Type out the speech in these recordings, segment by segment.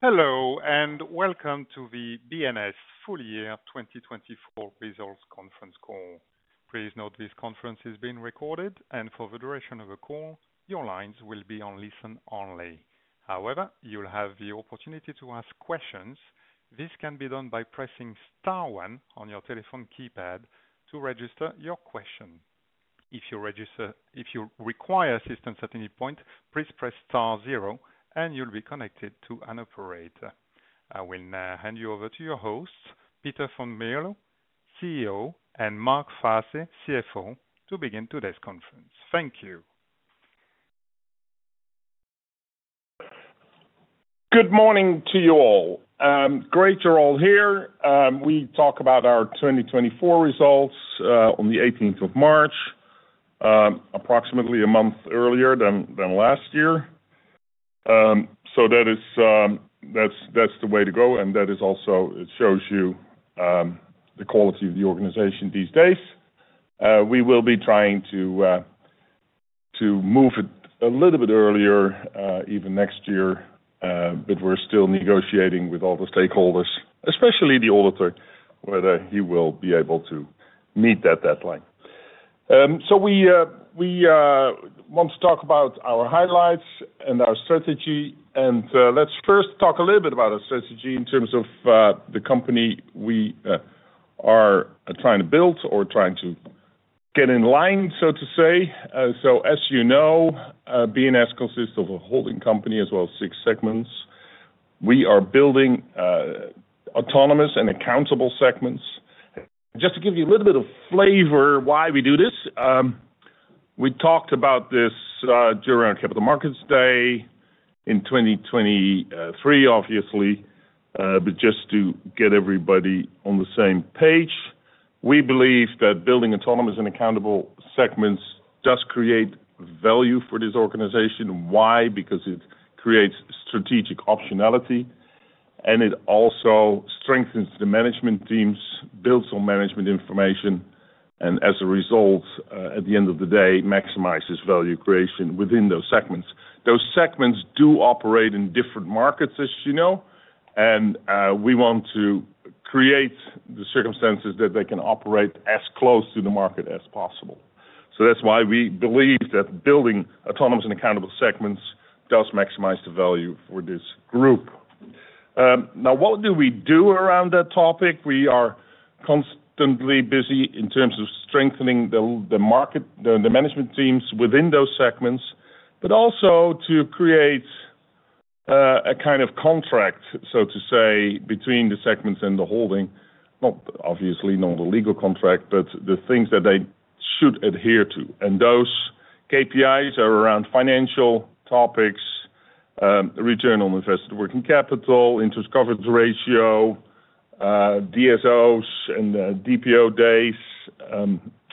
Hello, and welcome to the B&S Full Year 2024 Results Conference Call. Please note this conference is being recorded, and for the duration of the call, your lines will be on listen only. However, you'll have the opportunity to ask questions. This can be done by pressing star one on your telephone keypad to register your question. If you require assistance at any point, please press star zero, and you'll be connected to an operator. I will now hand you over to your hosts, Peter van Mierlo, CEO, and Mark Faasse, CFO, to begin today's conference. Thank you. Good morning to you all. Great you're all here. We talk about our 2024 results on the 18th of March, approximately a month earlier than last year. That's the way to go, and that also shows you the quality of the organization these days. We will be trying to move it a little bit earlier, even next year, but we're still negotiating with all the stakeholders, especially the auditor, whether he will be able to meet that deadline. We want to talk about our highlights and our strategy. Let's first talk a little bit about our strategy in terms of the company we are trying to build or trying to get in line, so to say. As you know, B&S consists of a holding company as well as six segments. We are building autonomous and accountable segments. Just to give you a little bit of flavor why we do this, we talked about this during our Capital Markets Day in 2023, obviously, but just to get everybody on the same page, we believe that building autonomous and accountable segments does create value for this organization. Why? Because it creates strategic optionality, and it also strengthens the management teams, builds on management information, and as a result, at the end of the day, maximizes value creation within those segments. Those segments do operate in different markets, as you know, and we want to create the circumstances that they can operate as close to the market as possible. That is why we believe that building autonomous and accountable segments does maximize the value for this group. Now, what do we do around that topic? We are constantly busy in terms of strengthening the management teams within those segments, but also to create a kind of contract, so to say, between the segments and the holding. Obviously, not a legal contract, but the things that they should adhere to. Those KPIs are around financial topics, return on invested working capital, interest coverage ratio, DSOs and DPO days,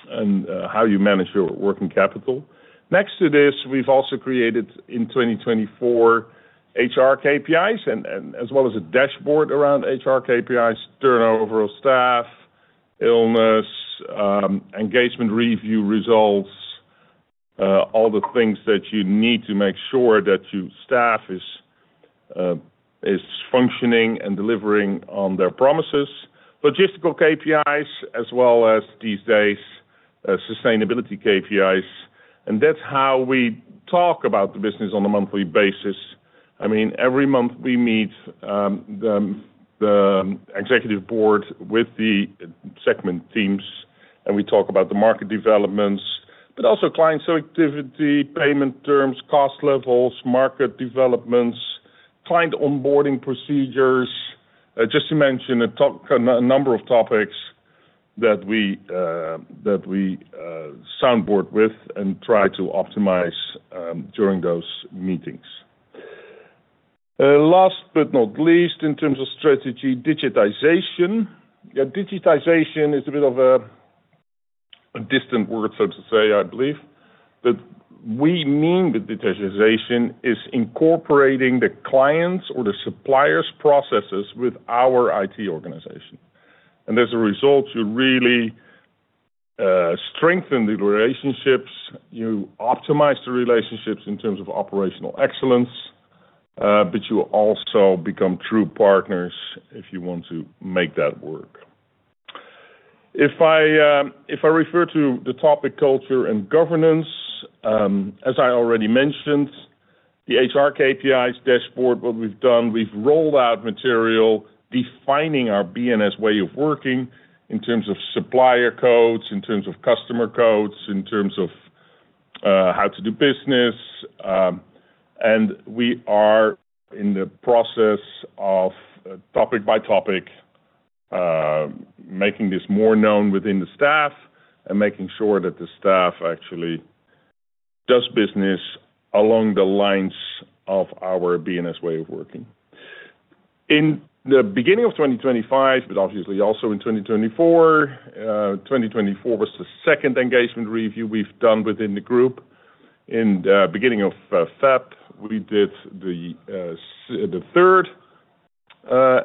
and how you manage your working capital. Next to this, we've also created in 2024 HR KPIs, as well as a dashboard around HR KPIs: turnover, staff, illness, engagement review results, all the things that you need to make sure that your staff is functioning and delivering on their promises, logistical KPIs, as well as these days, sustainability KPIs. That's how we talk about the business on a monthly basis. I mean, every month we meet the executive board with the segment teams, and we talk about the market developments, but also client selectivity, payment terms, cost levels, market developments, client onboarding procedures, just to mention a number of topics that we soundboard with and try to optimize during those meetings. Last but not least, in terms of strategy, digitization. Digitization is a bit of a distant word, so to say, I believe, but we mean that digitization is incorporating the clients' or the suppliers' processes with our IT organization. As a result, you really strengthen the relationships. You optimize the relationships in terms of operational excellence, but you also become true partners if you want to make that work. If I refer to the topic culture and governance, as I already mentioned, the HR KPIs dashboard, what we've done, we've rolled out material defining our B&S way of working in terms of supplier codes, in terms of customer codes, in terms of how to do business. We are in the process of topic by topic, making this more known within the staff and making sure that the staff actually does business along the lines of our B&S way of working. In the beginning of 2025, but obviously also in 2024, 2024 was the second engagement review we've done within the group. In the beginning of February, we did the third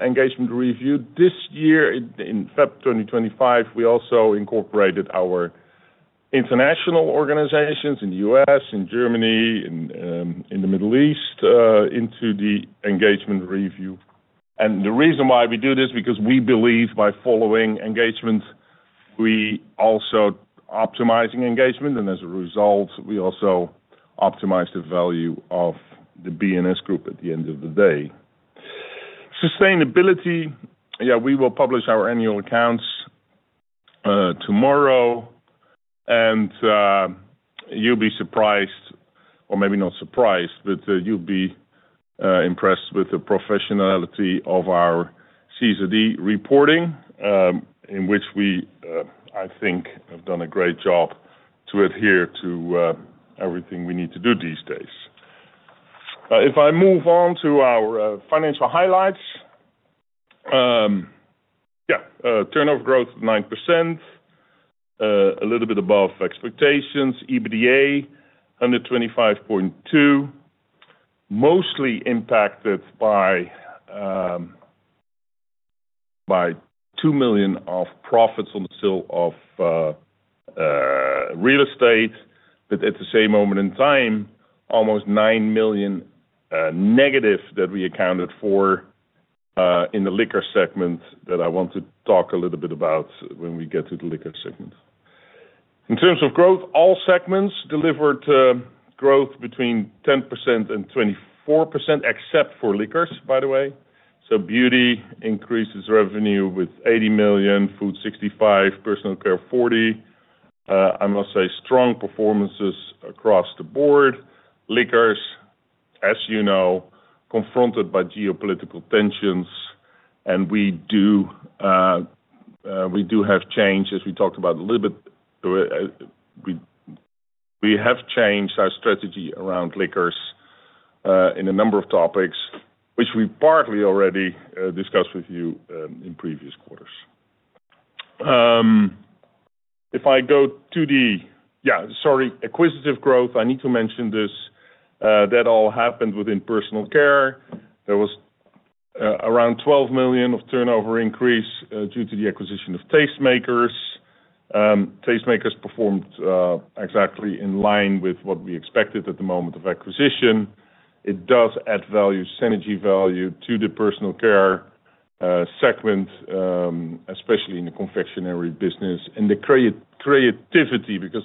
engagement review. This year, in February 2025, we also incorporated our international organizations in the US, in Germany, in the Middle East into the engagement review. The reason why we do this is because we believe by following engagement, we also optimize engagement, and as a result, we also optimize the value of the B&S Group at the end of the day. Sustainability, yeah, we will publish our annual accounts tomorrow, and you'll be surprised, or maybe not surprised, but you'll be impressed with the professionality of our CSRD reporting, in which we, I think, have done a great job to adhere to everything we need to do these days. If I move on to our financial highlights, yeah, turnover growth 9%, a little bit above expectations, EBITDA 125.2 million, mostly impacted by 2 million of profits on the sale of real estate, but at the same moment in time, almost 9 million negative that we accounted for in the liquor segment that I want to talk a little bit about when we get to the liquor segment. In terms of growth, all segments delivered growth between 10% and 24%, except for liquors, by the way. So beauty increases revenue with 80 million, food 65 million, personal care 40 million. I must say strong performances across the board. Liquors, as you know, confronted by geopolitical tensions, and we do have changed, as we talked about a little bit. We have changed our strategy around liquors in a number of topics, which we partly already discussed with you in previous quarters. If I go to the, yeah, sorry, acquisitive growth, I need to mention this. That all happened within personal care. There was around 12 million of turnover increase due to the acquisition of Tastemakers. Tastemakers performed exactly in line with what we expected at the moment of acquisition. It does add value, synergy value to the personal care segment, especially in the confectionery business, and the creativity, because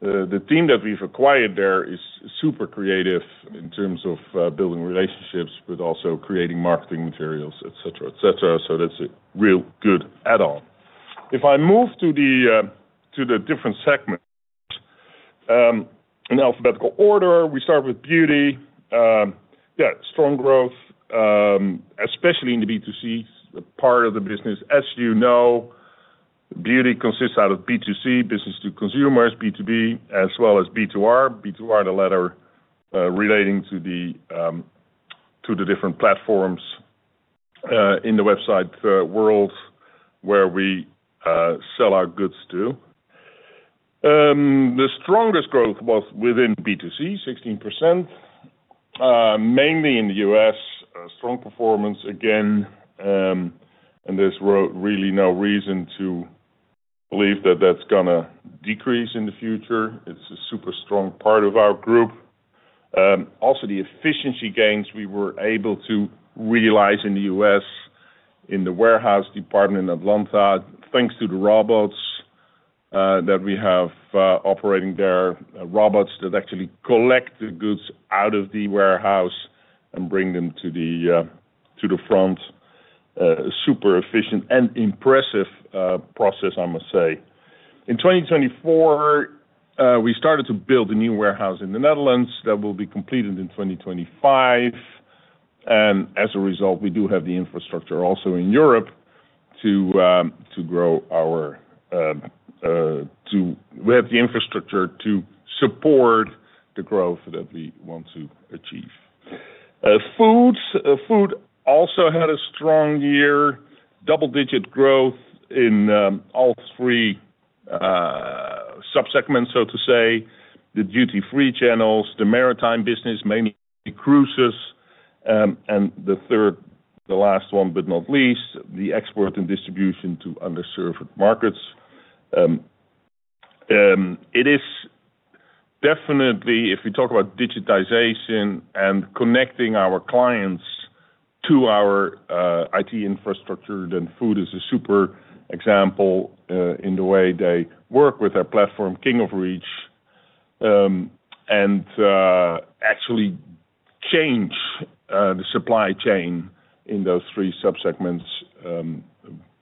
the team that we've acquired there is super creative in terms of building relationships, but also creating marketing materials, et cetera, et cetera. That is a real good add-on. If I move to the different segments in alphabetical order, we start with beauty. Yeah, strong growth, especially in the B2C part of the business. As you know, beauty consists out of B2C, business to consumers, B2B, as well as B2R. B2R, the letter relating to the different platforms in the website world where we sell our goods to. The strongest growth was within B2C, 16%, mainly in the US. Strong performance, again, and there's really no reason to believe that that's going to decrease in the future. It's a super strong part of our group. Also, the efficiency gains we were able to realize in the US in the warehouse department in Atlanta, thanks to the robots that we have operating there, robots that actually collect the goods out of the warehouse and bring them to the front. Super efficient and impressive process, I must say. In 2024, we started to build a new warehouse in the Netherlands that will be completed in 2025. We do have the infrastructure also in Europe to grow our—we have the infrastructure to support the growth that we want to achieve. Food also had a strong year, double-digit growth in all three subsegments, so to say, the duty-free channels, the maritime business, mainly cruises, and the third, the last one, but not least, the export and distribution to underserved markets. It is definitely, if we talk about digitization and connecting our clients to our IT infrastructure, then food is a super example in the way they work with our platform, King of Reach, and actually change the supply chain in those three subsegments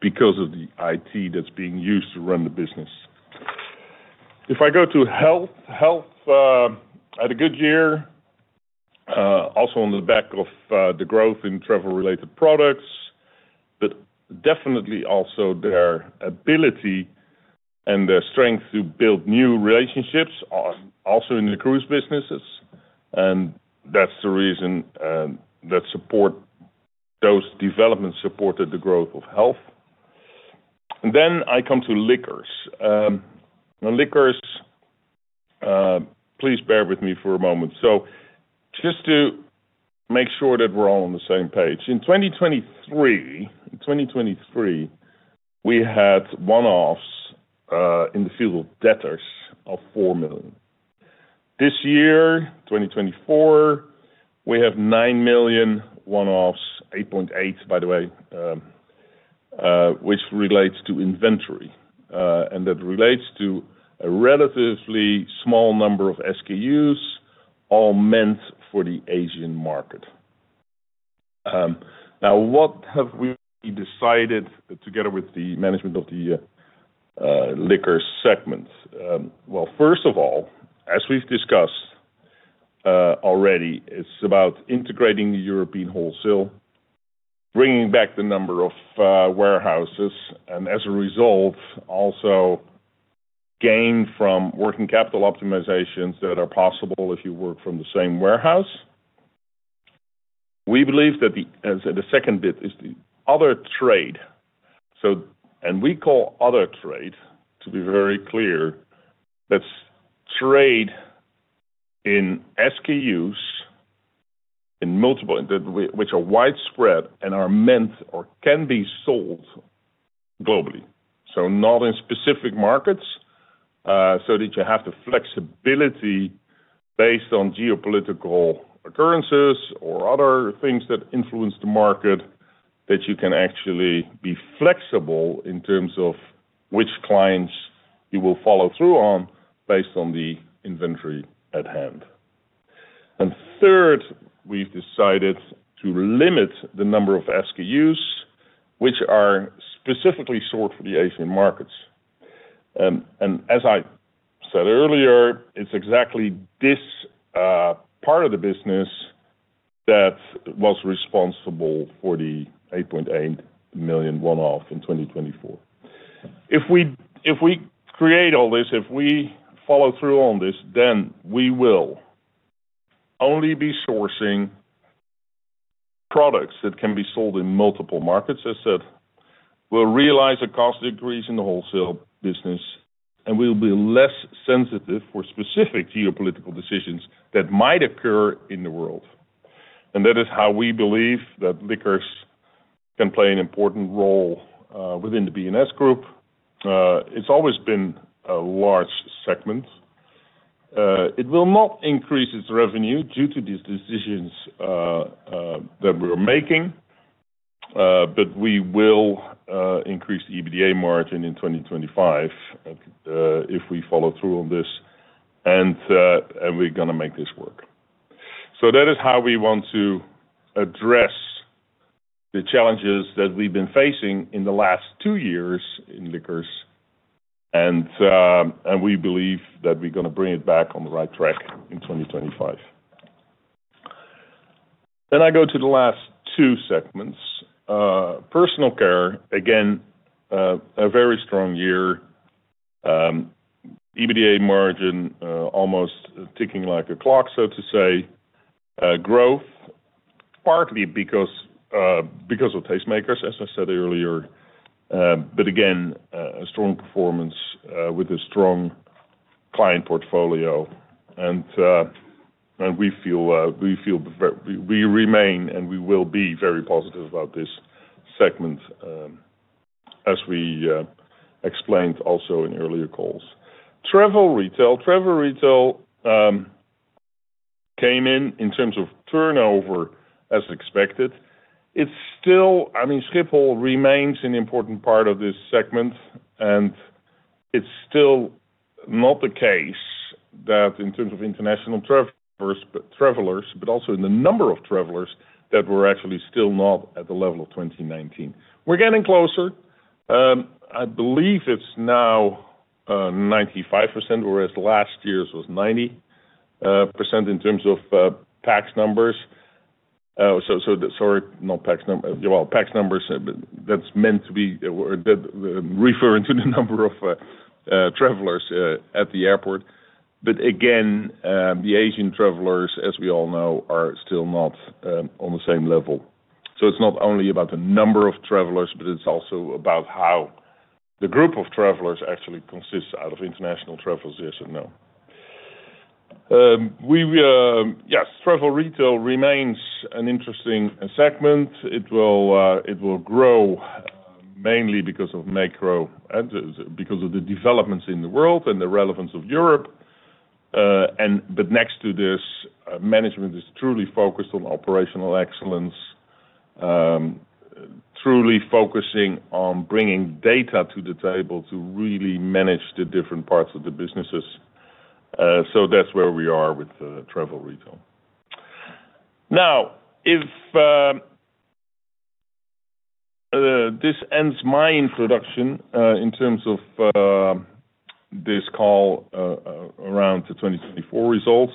because of the IT that's being used to run the business. If I go to health, health had a good year, also on the back of the growth in travel-related products, but definitely also their ability and their strength to build new relationships are also in the cruise businesses. That is the reason that those developments supported the growth of health. I come to liquors. Liquors, please bear with me for a moment. Just to make sure that we're all on the same page, in 2023, we had one-offs in the field of debtors of 4 million. This year, 2024, we have 9 million one-offs, 8.8 million, by the way, which relates to inventory. That relates to a relatively small number of SKUs, all meant for the Asian market. Now, what have we decided together with the management of the liquor segments? First of all, as we've discussed already, it's about integrating the European wholesale, bringing back the number of warehouses, and as a result, also gain from working capital optimizations that are possible if you work from the same warehouse. We believe that the second bit is the other trade. We call other trade, to be very clear, that's trade in SKUs in multiple which are widespread and are meant or can be sold globally. Not in specific markets, so that you have the flexibility based on geopolitical occurrences or other things that influence the market, that you can actually be flexible in terms of which clients you will follow through on based on the inventory at hand. Third, we've decided to limit the number of SKUs which are specifically sorted for the Asian markets. As I said earlier, it's exactly this part of the business that was responsible for the 8.8 million one-off in 2024. If we create all this, if we follow through on this, then we will only be sourcing products that can be sold in multiple markets, as I said. We'll realize the cost increase in the wholesale business, and we'll be less sensitive for specific geopolitical decisions that might occur in the world. That is how we believe that liquors can play an important role within the B&S Group. It's always been a large segment. It will not increase its revenue due to these decisions that we're making, but we will increase the EBITDA margin in 2025 if we follow through on this, and we're going to make this work. That is how we want to address the challenges that we've been facing in the last two years in liquors, and we believe that we're going to bring it back on the right track in 2025. I go to the last two segments. Personal care, again, a very strong year. EBITDA margin almost ticking like a clock, so to say. Growth, partly because of Tastemakers, as I said earlier, but again, a strong performance with a strong client portfolio. We feel we remain and we will be very positive about this segment, as we explained also in earlier calls. Travel retail. Travel retail came in in terms of turnover as expected. I mean, Schiphol remains an important part of this segment, and it's still not the case that in terms of international travelers, but also in the number of travelers that we're actually still not at the level of 2019. We're getting closer. I believe it's now 95%, whereas last year was 90% in terms of tax numbers. Sorry, not tax numbers. Well, tax numbers, that's meant to be referring to the number of travelers at the airport. Again, the Asian travelers, as we all know, are still not on the same level. It's not only about the number of travelers, but it's also about how the group of travelers actually consists out of international travelers, yes or no? Yes, travel retail remains an interesting segment. It will grow mainly because of macro and because of the developments in the world and the relevance of Europe. Next to this, management is truly focused on operational excellence, truly focusing on bringing data to the table to really manage the different parts of the businesses. That is where we are with travel retail. This ends my introduction in terms of this call around the 2024 results,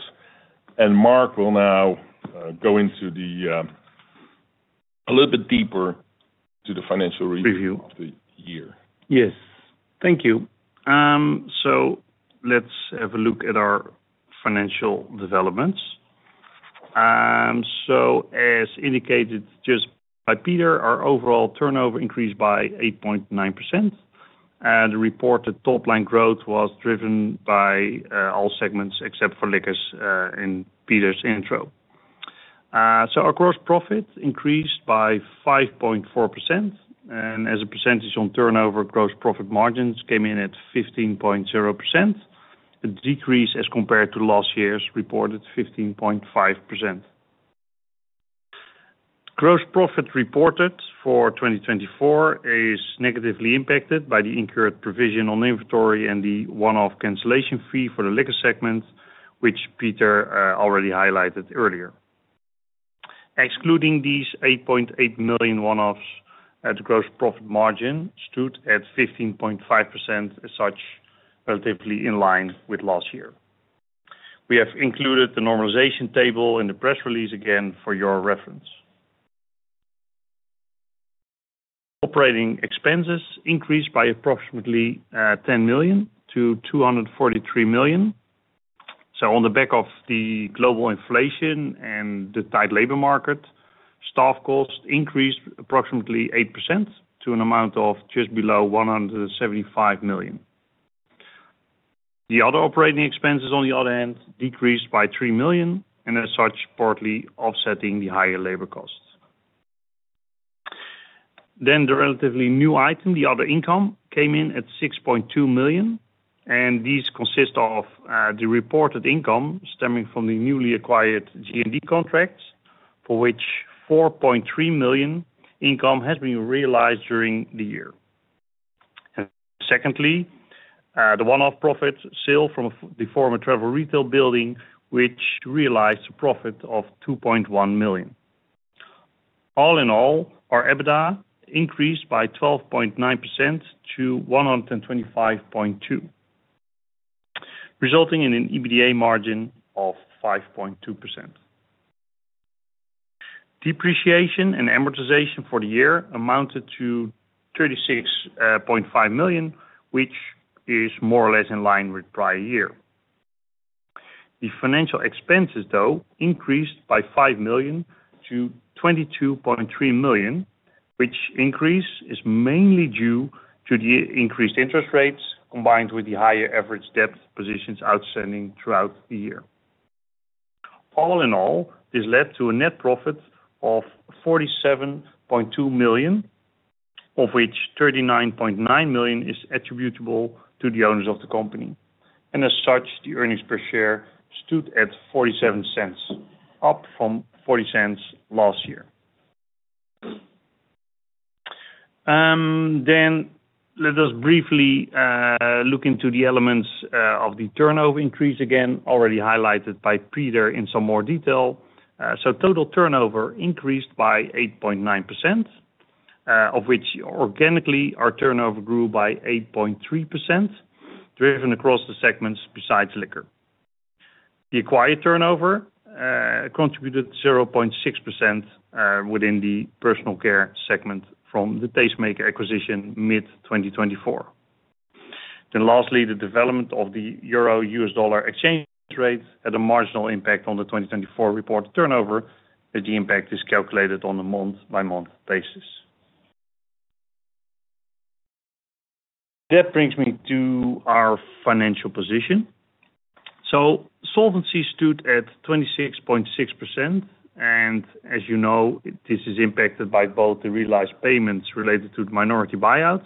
and Mark will now go a little bit deeper into the financial review of the year. Yes. Thank you. Let us have a look at our financial developments. As indicated just by Peter, our overall turnover increased by 8.9%. The reported top-line growth was driven by all segments except for liquors in Peter's intro. Our gross profit increased by 5.4%, and as a percentage on turnover, gross profit margins came in at 15.0%, a decrease as compared to last year's reported 15.5%. Gross profit reported for 2024 is negatively impacted by the incurred provision on inventory and the one-off cancellation fee for the liquor segment, which Peter already highlighted earlier. Excluding these 8.8 million one-offs, the gross profit margin stood at 15.5%, as such, relatively in line with last year. We have included the normalization table in the press release again for your reference. Operating expenses increased by approximately 10 million-243 million. On the back of the global inflation and the tight labor market, staff cost increased approximately 8% to an amount of just below 175 million. The other operating expenses, on the other hand, decreased by 3 million, and as such, partly offsetting the higher labor costs. The relatively new item, the other income, came in at 6.2 million, and these consist of the reported income stemming from the newly acquired G&D contracts, for which 4.3 million income has been realized during the year. Secondly, the one-off profit sale from the former travel retail building, which realized a profit of 2.1 million. All in all, our EBITDA increased by 12.9% to 125.2 million, resulting in an EBITDA margin of 5.2%. Depreciation and amortization for the year amounted to 36.5 million, which is more or less in line with prior year. The financial expenses, though, increased by 5 million to 22.3 million, which increase is mainly due to the increased interest rates combined with the higher average debt positions outstanding throughout the year. All in all, this led to a net profit of 47.2 million, of which 39.9 million is attributable to the owners of the company. As such, the earnings per share stood at 0.47, up from 0.40 last year. Let us briefly look into the elements of the turnover increase again, already highlighted by Peter in some more detail. Total turnover increased by 8.9%, of which organically our turnover grew by 8.3%, driven across the segments besides liquor. The acquired turnover contributed 0.6% within the personal care segment from the Tastemakers acquisition mid-2024. Lastly, the development of the EURO-US dollar exchange rate had a marginal impact on the 2024 reported turnover, but the impact is calculated on a month-by-month basis. That brings me to our financial position. Solvency stood at 26.6%, and as you know, this is impacted by both the realized payments related to the minority buyouts,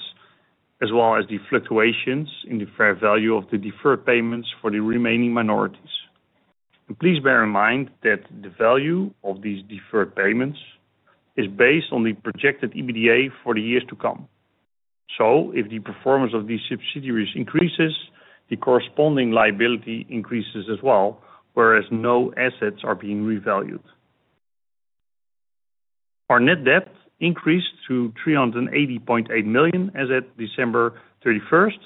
as well as the fluctuations in the fair value of the deferred payments for the remaining minorities. Please bear in mind that the value of these deferred payments is based on the projected EBITDA for the years to come. If the performance of these subsidiaries increases, the corresponding liability increases as well, whereas no assets are being revalued. Our net debt increased to 380.8 million as at December 31st.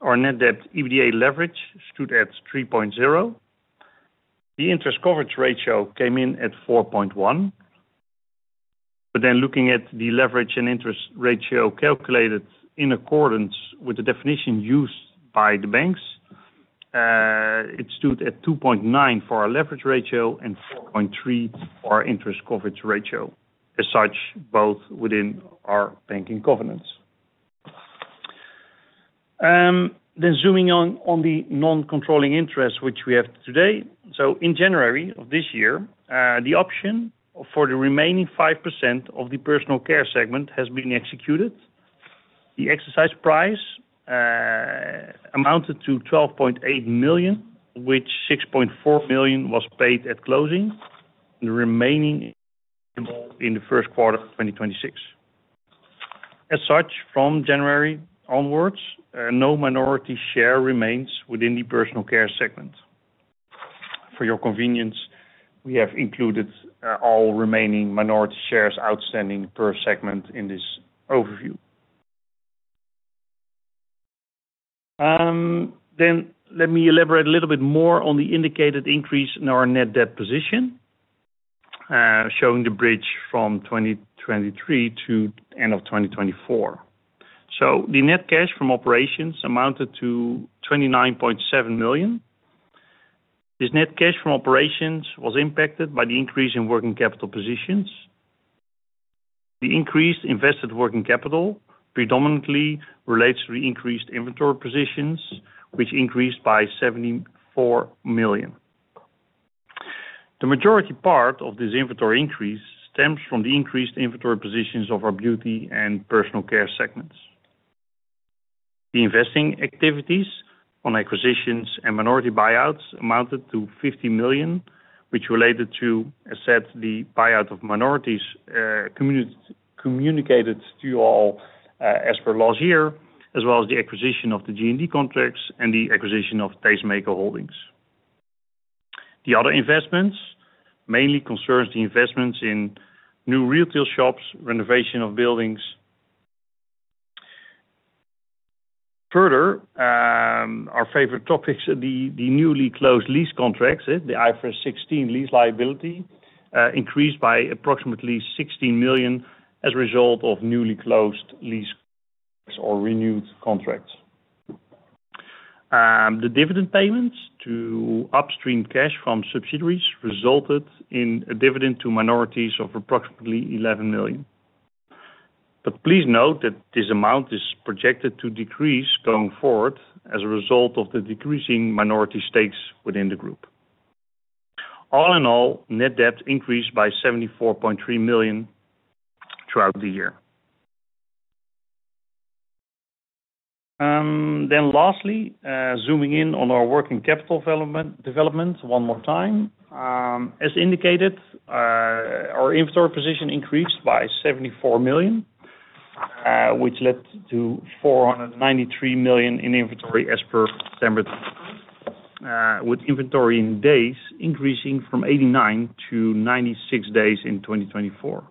Our net debt EBITDA leverage stood at 3.0. The interest coverage ratio came in at 4.1. Looking at the leverage and interest ratio calculated in accordance with the definition used by the banks, it stood at 2.9 for our leverage ratio and 4.3 for our interest coverage ratio. As such, both are within our banking covenants. Zooming on the non-controlling interest, which we have today. In January of this year, the option for the remaining 5% of the personal care segment has been executed. The exercise price amounted to 12.8 million, of which 6.4 million was paid at closing, and the remaining in the first quarter of 2026. As such, from January onwards, no minority share remains within the personal care segment. For your convenience, we have included all remaining minority shares outstanding per segment in this overview. Let me elaborate a little bit more on the indicated increase in our net debt position, showing the bridge from 2023 to the end of 2024. The net cash from operations amounted to 29.7 million. This net cash from operations was impacted by the increase in working capital positions. The increased invested working capital predominantly relates to the increased inventory positions, which increased by 74 million. The majority part of this inventory increase stems from the increased inventory positions of our beauty and personal care segments. The investing activities on acquisitions and minority buyouts amounted to 50 million, which related to, as said, the buyout of minorities communicated to you all as per last year, as well as the acquisition of the G&D contracts and the acquisition of Tastemakers Holdings. The other investments mainly concerns the investments in new retail shops, renovation of buildings. Further, our favorite topic is the newly closed lease contracts, the IFRS 16 lease liability increased by approximately 16 million as a result of newly closed lease or renewed contracts. The dividend payments to upstream cash from subsidiaries resulted in a dividend to minorities of approximately 11 million. Please note that this amount is projected to decrease going forward as a result of the decreasing minority stakes within the group. All in all, net debt increased by 74.3 million throughout the year. Lastly, zooming in on our working capital development one more time. As indicated, our inventory position increased by 74 million, which led to 493 million in inventory as per December, with inventory in days increasing from 89 days-96 days in 2024.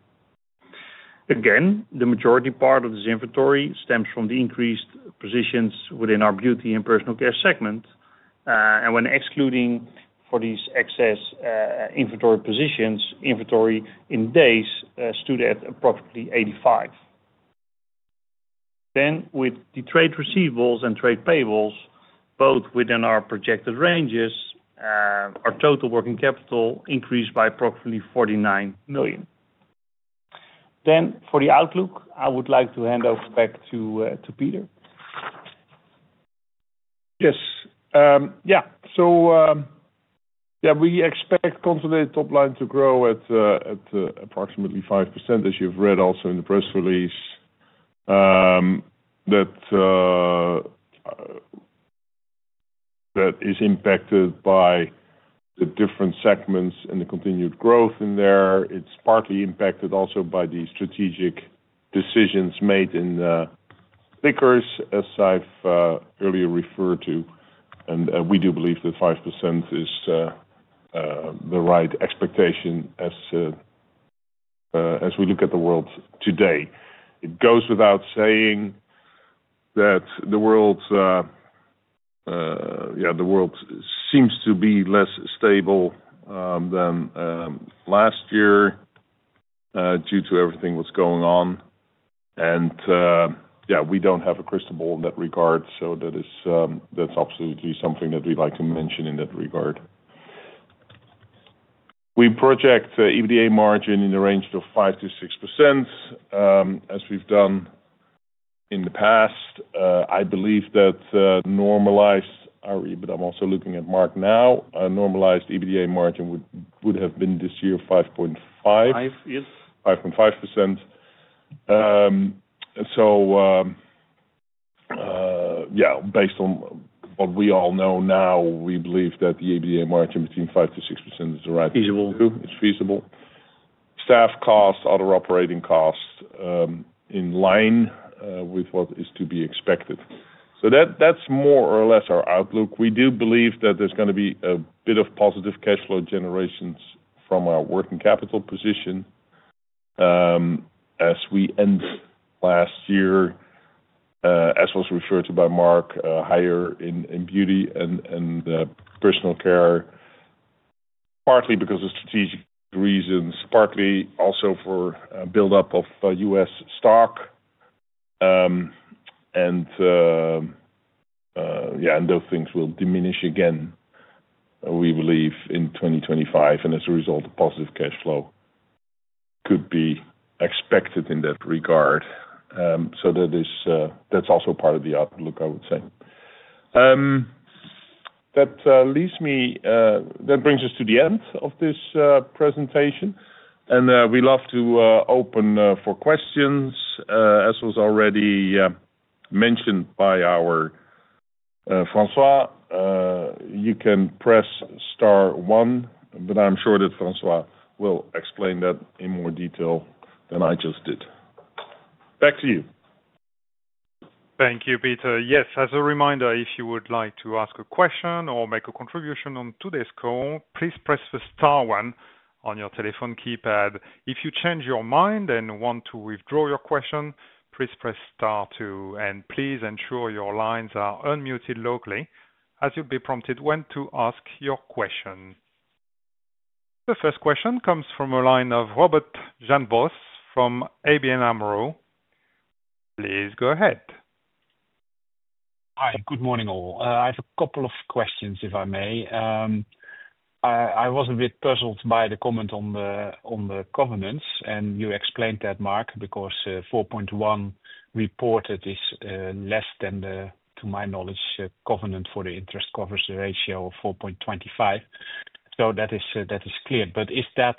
Again, the majority part of this inventory stems from the increased positions within our beauty and personal care segment. When excluding for these excess inventory positions, inventory in days stood at approximately 85. With the trade receivables and trade payables both within our projected ranges, our total working capital increased by approximately 49 million. For the outlook, I would like to hand over back to Peter. Yes. Yeah. Yeah, we expect consolidated top line to grow at approximately 5%, as you've read also in the press release, that is impacted by the different segments and the continued growth in there. It's partly impacted also by the strategic decisions made in liquors, as I've earlier referred to. We do believe that 5% is the right expectation as we look at the world today. It goes without saying that the world, yeah, the world seems to be less stable than last year due to everything that's going on. We don't have a crystal ball in that regard, so that's absolutely something that we'd like to mention in that regard. We project EBITDA margin in the range of 5%-6%, as we've done in the past. I believe that normalized—sorry, but I'm also looking at Mark now—a normalized EBITDA margin would have been this year 5.5. 5, yes. 5.5%. Yeah, based on what we all know now, we believe that the EBITDA margin between 5%-6% is the right thing to do. Feasible. It's feasible. Staff costs, other operating costs in line with what is to be expected. That's more or less our outlook. We do believe that there's going to be a bit of positive cash flow generations from our working capital position as we end last year, as was referred to by Mark, higher in beauty and personal care, partly because of strategic reasons, partly also for build-up of US stock. Yeah, and those things will diminish again, we believe, in 2025, and as a result, positive cash flow could be expected in that regard. That's also part of the outlook, I would say. That brings us to the end of this presentation, and we love to open for questions. As was already mentioned by our Francois, you can press star one, but I'm sure that Francois will explain that in more detail than I just did. Back to you. Thank you, Peter. Yes, as a reminder, if you would like to ask a question or make a contribution on today's call, please press the star one on your telephone keypad. If you change your mind and want to withdraw your question, please press star two. Please ensure your lines are unmuted locally as you'll be prompted when to ask your question. The first question comes from a line of Robert Jan Vos from ABN AMRO. Please go ahead. Hi, good morning all. I have a couple of questions, if I may. I was a bit puzzled by the comment on the covenants, and you explained that, Mark, because 4.1 reported is less than, to my knowledge, covenant for the interest coverage ratio of 4.25. That is clear. Is that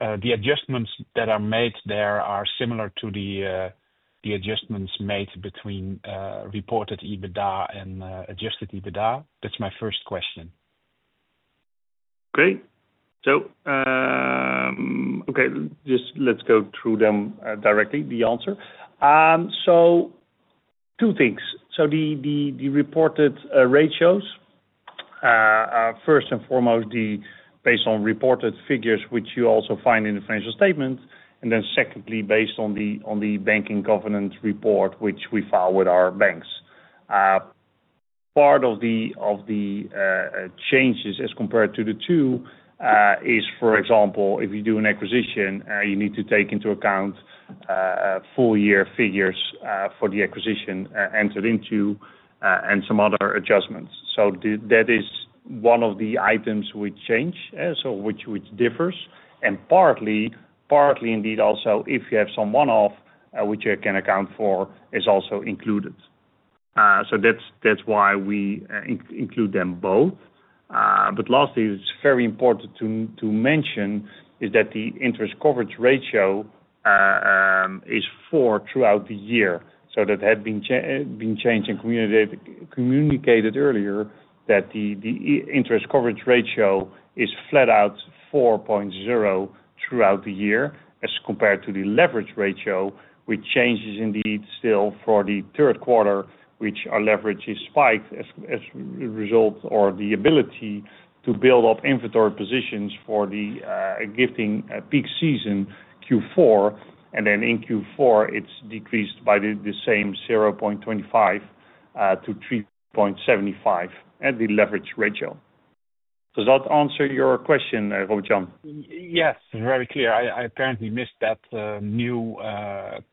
the adjustments that are made there are similar to the adjustments made between reported EBITDA and adjusted EBITDA? That is my first question. Great. Okay, just let's go through them directly, the answer. Two things. The reported ratios, first and foremost, based on reported figures, which you also find in the financial statement, and then secondly, based on the banking covenant report, which we file with our banks. Part of the changes as compared to the two is, for example, if you do an acquisition, you need to take into account full year figures for the acquisition entered into and some other adjustments. That is one of the items we change, which differs. Partly, indeed, also, if you have some one-off, which you can account for, is also included. That's why we include them both. Lastly, it's very important to mention is that the interest coverage ratio is four throughout the year. That had been changed and communicated earlier that the interest coverage ratio is flat out 4.0 throughout the year as compared to the leverage ratio, which changes indeed still for the third quarter, which our leverage is spiked as a result or the ability to build up inventory positions for the gifting peak season, Q4. In Q4, it's decreased by the same 0.25-3.75 at the leverage ratio. Does that answer your question, Robert Jan? Yes, very clear. I apparently missed that new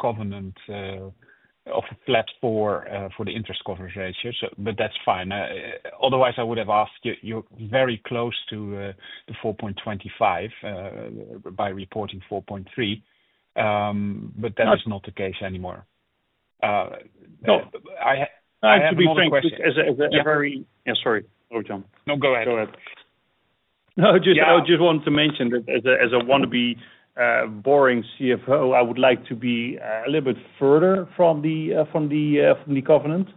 covenant of flat 4 for the interest coverage ratio, but that's fine. Otherwise, I would have asked you very close to 4.25 by reporting 4.3, but that is not the case anymore. No. I have to be frank with you. Sorry, Robert Jan. No, go ahead. Go ahead. No, I just wanted to mention that as a wannabe boring CFO, I would like to be a little bit further from the covenant,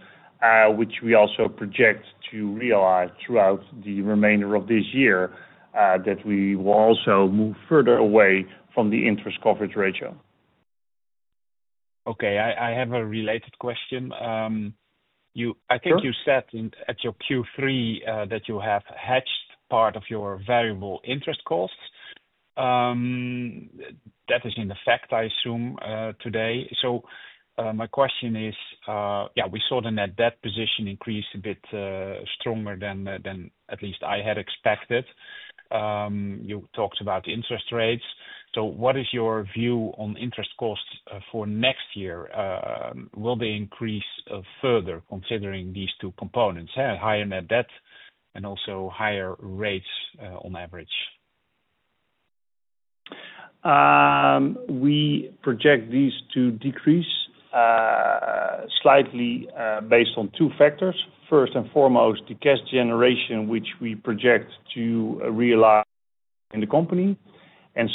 which we also project to realize throughout the remainder of this year that we will also move further away from the interest coverage ratio. Okay. I have a related question. I think you said at your Q3 that you have hedged part of your variable interest costs. That is in effect, I assume, today. My question is, yeah, we saw the net debt position increase a bit stronger than at least I had expected. You talked about interest rates. What is your view on interest costs for next year? Will they increase further considering these two components, higher net debt and also higher rates on average? We project these to decrease slightly based on two factors. First and foremost, the cash generation, which we project to realize in the company.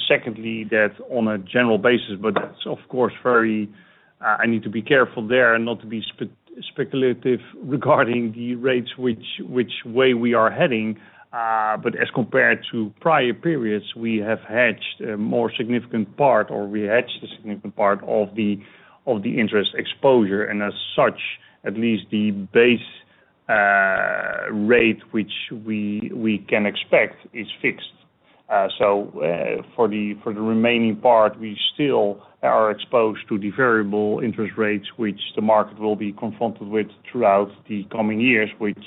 Secondly, that on a general basis, but that is of course very—I need to be careful there and not to be speculative regarding the rates, which way we are heading. As compared to prior periods, we have hedged a significant part of the interest exposure. As such, at least the base rate, which we can expect, is fixed. For the remaining part, we still are exposed to the variable interest rates, which the market will be confronted with throughout the coming years, which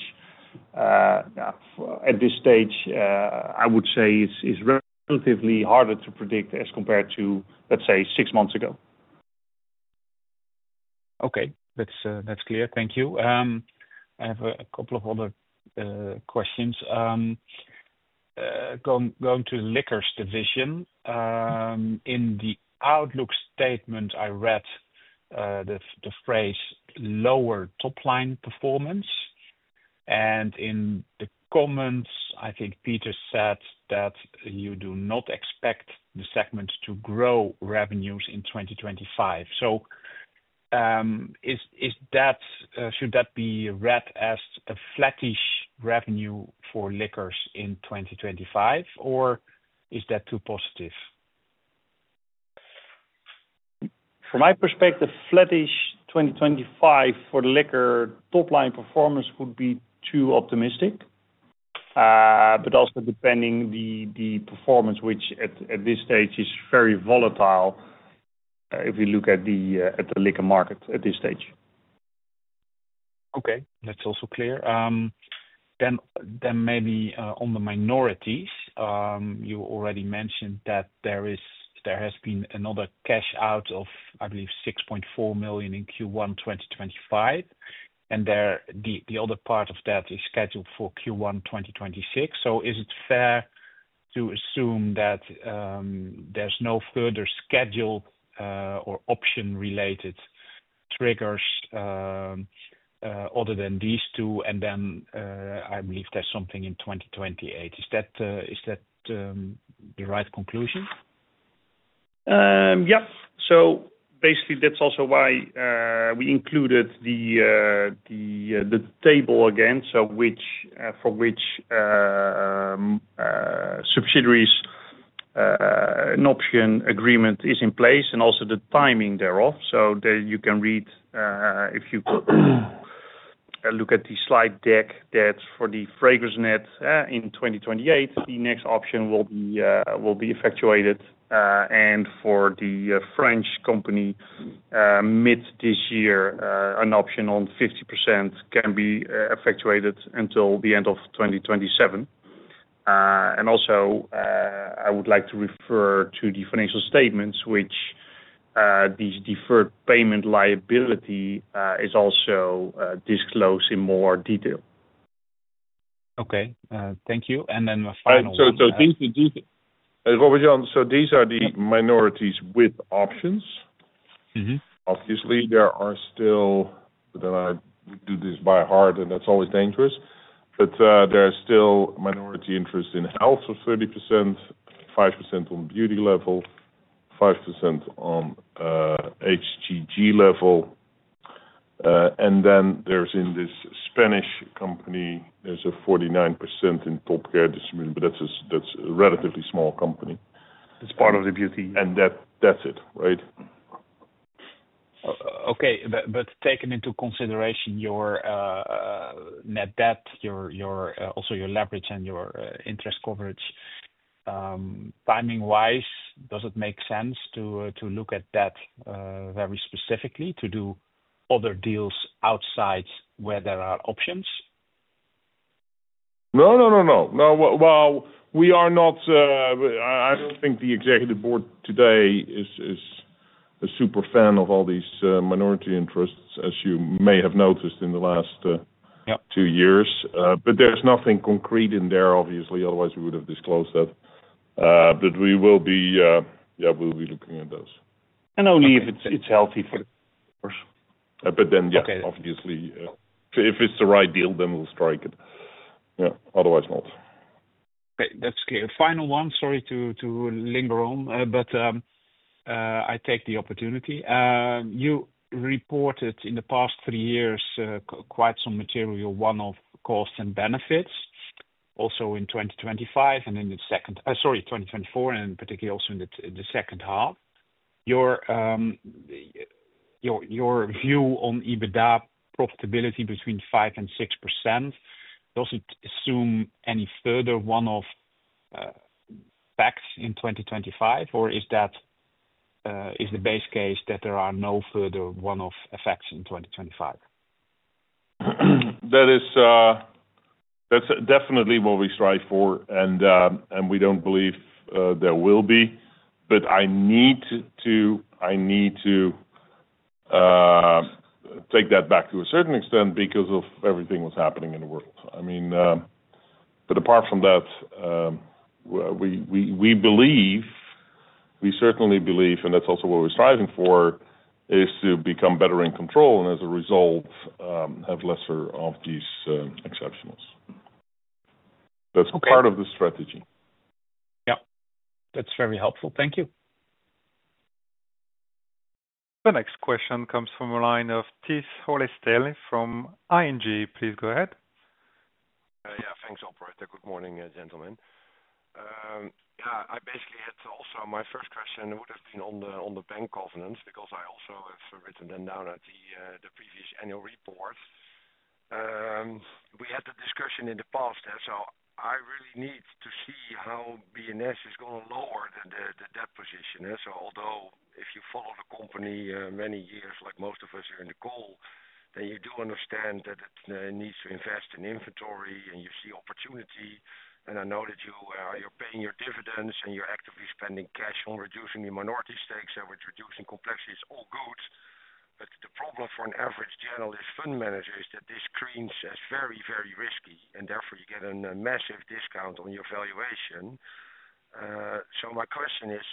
at this stage, I would say, is relatively harder to predict as compared to, let's say, six months ago. Okay. That's clear. Thank you. I have a couple of other questions. Going to liquors division, in the outlook statement, I read the phrase lower top line performance. In the comments, I think Peter said that you do not expect the segment to grow revenues in 2025. Should that be read as a flattish revenue for liquors in 2025, or is that too positive? From my perspective, flattish 2025 for liquor top line performance would be too optimistic, but also depending on the performance, which at this stage is very volatile if we look at the liquor market at this stage. Okay. That's also clear. Maybe on the minorities, you already mentioned that there has been another cash out of 6.4 million in Q1 2025, and the other part of that is scheduled for Q1 2026. Is it fair to assume that there is no further schedule or option-related triggers other than these two? I believe there is something in 2028. Is that the right conclusion? Yep. Basically, that's also why we included the table again, for which subsidiaries' option agreement is in place and also the timing thereof. You can read, if you look at the slide deck, that for FragranceNet in 2028, the next option will be effectuated. For the French company, mid this year, an option on 50% can be effectuated until the end of 2027. I would also like to refer to the financial statements, in which the deferred payment liability is also disclosed in more detail. Okay. Thank you. Then my final question. These are the minorities with options. Obviously, there are still—and I do this by heart, and that's always dangerous—there are still minority interests in health of 30%, 5% on beauty level, 5% on HGG level. There is in this Spanish company a 49% in Top Care Distribution, but that's a relatively small company. It's part of the beauty. That's it, right? Okay. Taking into consideration your net debt, also your leverage, and your interest coverage, timing-wise, does it make sense to look at that very specifically to do other deals outside where there are options? No, no, no, no. We are not—I don't think the executive board today is a super fan of all these minority interests, as you may have noticed in the last two years. There is nothing concrete in there, obviously. Otherwise, we would have disclosed that. We will be—yeah, we'll be looking at those. Only if it's healthy for the customers. Obviously, if it's the right deal, then we'll strike it. Otherwise, not. Okay. That's clear. Final one. Sorry to linger on, but I take the opportunity. You reported in the past three years quite some material one-off costs and benefits, also in 2025 and in the second—sorry, 2024, and particularly also in the second half. Your view on EBITDA profitability between 5% and 6%, does it assume any further one-off effects in 2025, or is the base case that there are no further one-off effects in 2025? That's definitely what we strive for, and we don't believe there will be. I need to take that back to a certain extent because of everything that's happening in the world. I mean, apart from that, we believe—we certainly believe, and that's also what we're striving for—is to become better in control and, as a result, have lesser of these exceptionals. That's part of the strategy. Yep. That's very helpful. Thank you. The next question comes from a line of Tijs Hollestelle from ING. Please go ahead. Yeah. Thanks, Operator. Good morning, gentlemen. Yeah. I basically had also my first question would have been on the bank covenants because I also have written them down at the previous annual report. We had the discussion in the past, so I really need to see how B&S is going to lower the debt position. Although if you follow the company many years, like most of us here in the call, then you do understand that it needs to invest in inventory and you see opportunity. I know that you're paying your dividends and you're actively spending cash on reducing the minority stakes and reducing complexity. It's all good. The problem for an average generalist fund manager is that this screens as very, very risky, and therefore you get a massive discount on your valuation. My question is,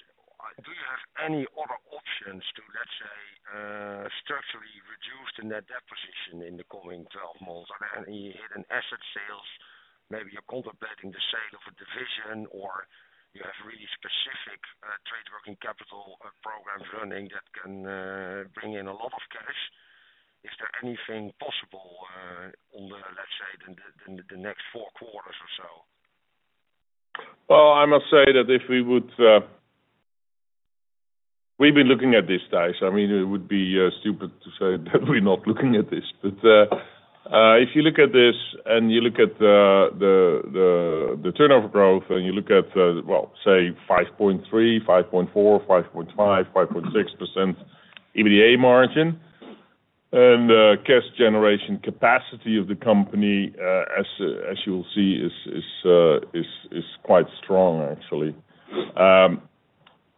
do you have any other options to, let's say, structurally reduce the net debt position in the coming 12 months? Are there any hidden asset sales, maybe you're contemplating the sale of a division, or you have really specific trade working capital programs running that can bring in a lot of cash? Is there anything possible on the, let's say, the next four quarters or so? I must say that if we would—we've been looking at this Tijs. I mean, it would be stupid to say that we're not looking at this. If you look at this and you look at the turnover growth and you look at, well, say, 5.3%, 5.4%, 5.5%, 5.6% EBITDA margin, and the cash generation capacity of the company, as you will see, is quite strong, actually.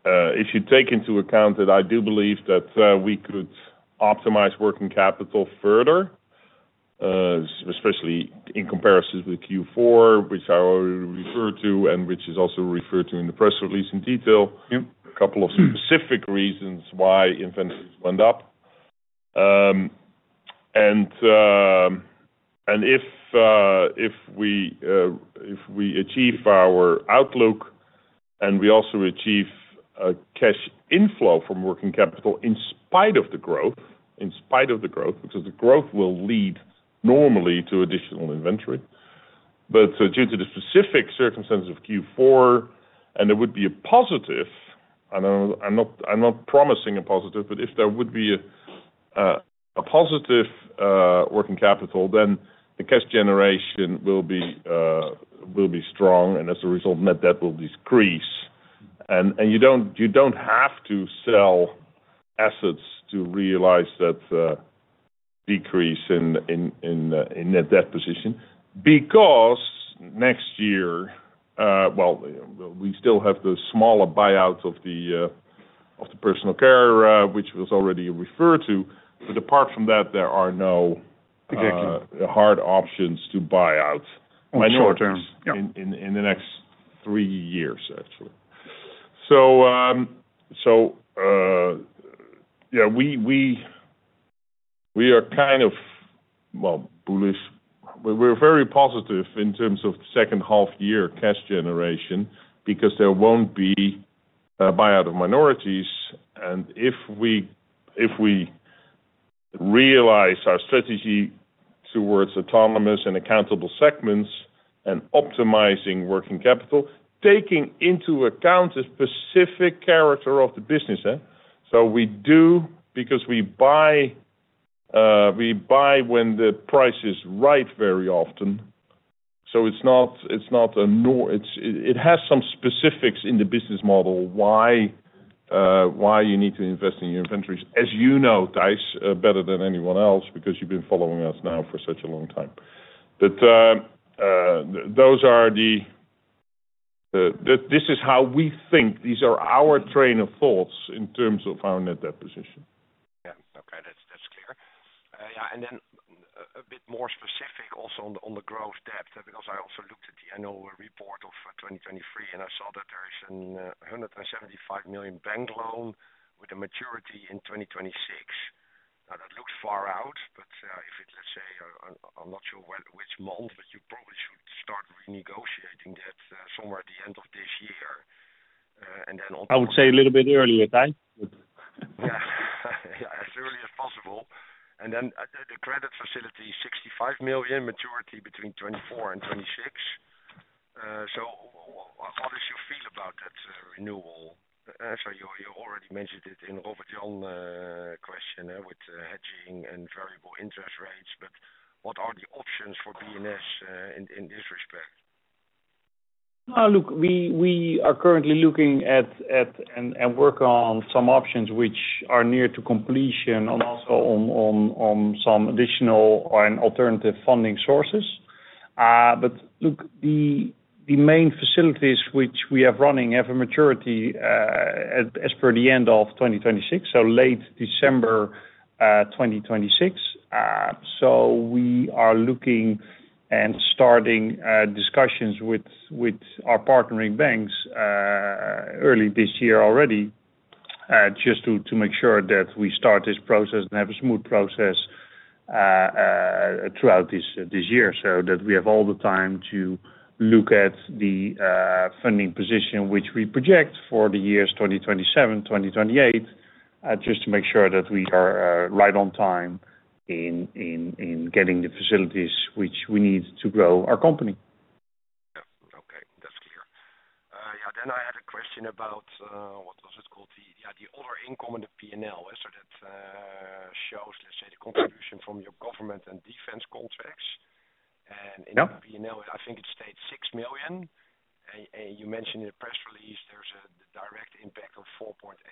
If you take into account that I do believe that we could optimize working capital further, especially in comparison with Q4, which I already referred to and which is also referred to in the press release in detail, a couple of specific reasons why inventories went up. If we achieve our outlook and we also achieve cash inflow from working capital in spite of the growth, in spite of the growth, because the growth will lead normally to additional inventory. Due to the specific circumstances of Q4, there would be a positive—I am not promising a positive—but if there would be a positive working capital, then the cash generation will be strong, and as a result, net debt will decrease. You do not have to sell assets to realize that decrease in net debt position because next year, we still have the smaller buyout of the personal care, which was already referred to. Apart from that, there are no hard options to buy out. In short term. In the next three years, actually. Yeah, we are kind of, well, bullish. We're very positive in terms of second half year cash generation because there won't be a buyout of minorities. If we realize our strategy towards autonomous and accountable segments and optimizing working capital, taking into account the specific character of the business, we do because we buy when the price is right very often. It has some specifics in the business model why you need to invest in your inventories, as you know, Tijs, better than anyone else because you've been following us now for such a long time. Those are the—this is how we think. These are our train of thoughts in terms of our net debt position. Yeah. Okay. That's clear. Yeah. A bit more specific also on the growth debt because I also looked at the annual report of 2023, and I saw that there's a 175 million bank loan with a maturity in 2026. That looks far out, but if it, let's say, I'm not sure which month, but you probably should start renegotiating that somewhere at the end of this year. On. I would say a little bit earlier, Tijs. Yeah. As early as possible. The credit facility, 65 million, maturity between 2024 and 2026. How do you feel about that renewal? You already mentioned it in Robert Jan question with hedging and variable interest rates, but what are the options for B&S in this respect? Look, we are currently looking at and work on some options which are near to completion and also on some additional or alternative funding sources. The main facilities which we have running have a maturity as per the end of 2026, so late December 2026. We are looking and starting discussions with our partnering banks early this year already just to make sure that we start this process and have a smooth process throughout this year so that we have all the time to look at the funding position which we project for the years 2027, 2028, just to make sure that we are right on time in getting the facilities which we need to grow our company. Yeah. Okay. That's clear. Yeah. I had a question about what was it called? Yeah, the other income on the P&L, so that shows, let's say, the contribution from your government and defense contracts. In the P&L, I think it stayed 6 million. You mentioned in the press release, there's a direct impact of 4.8 million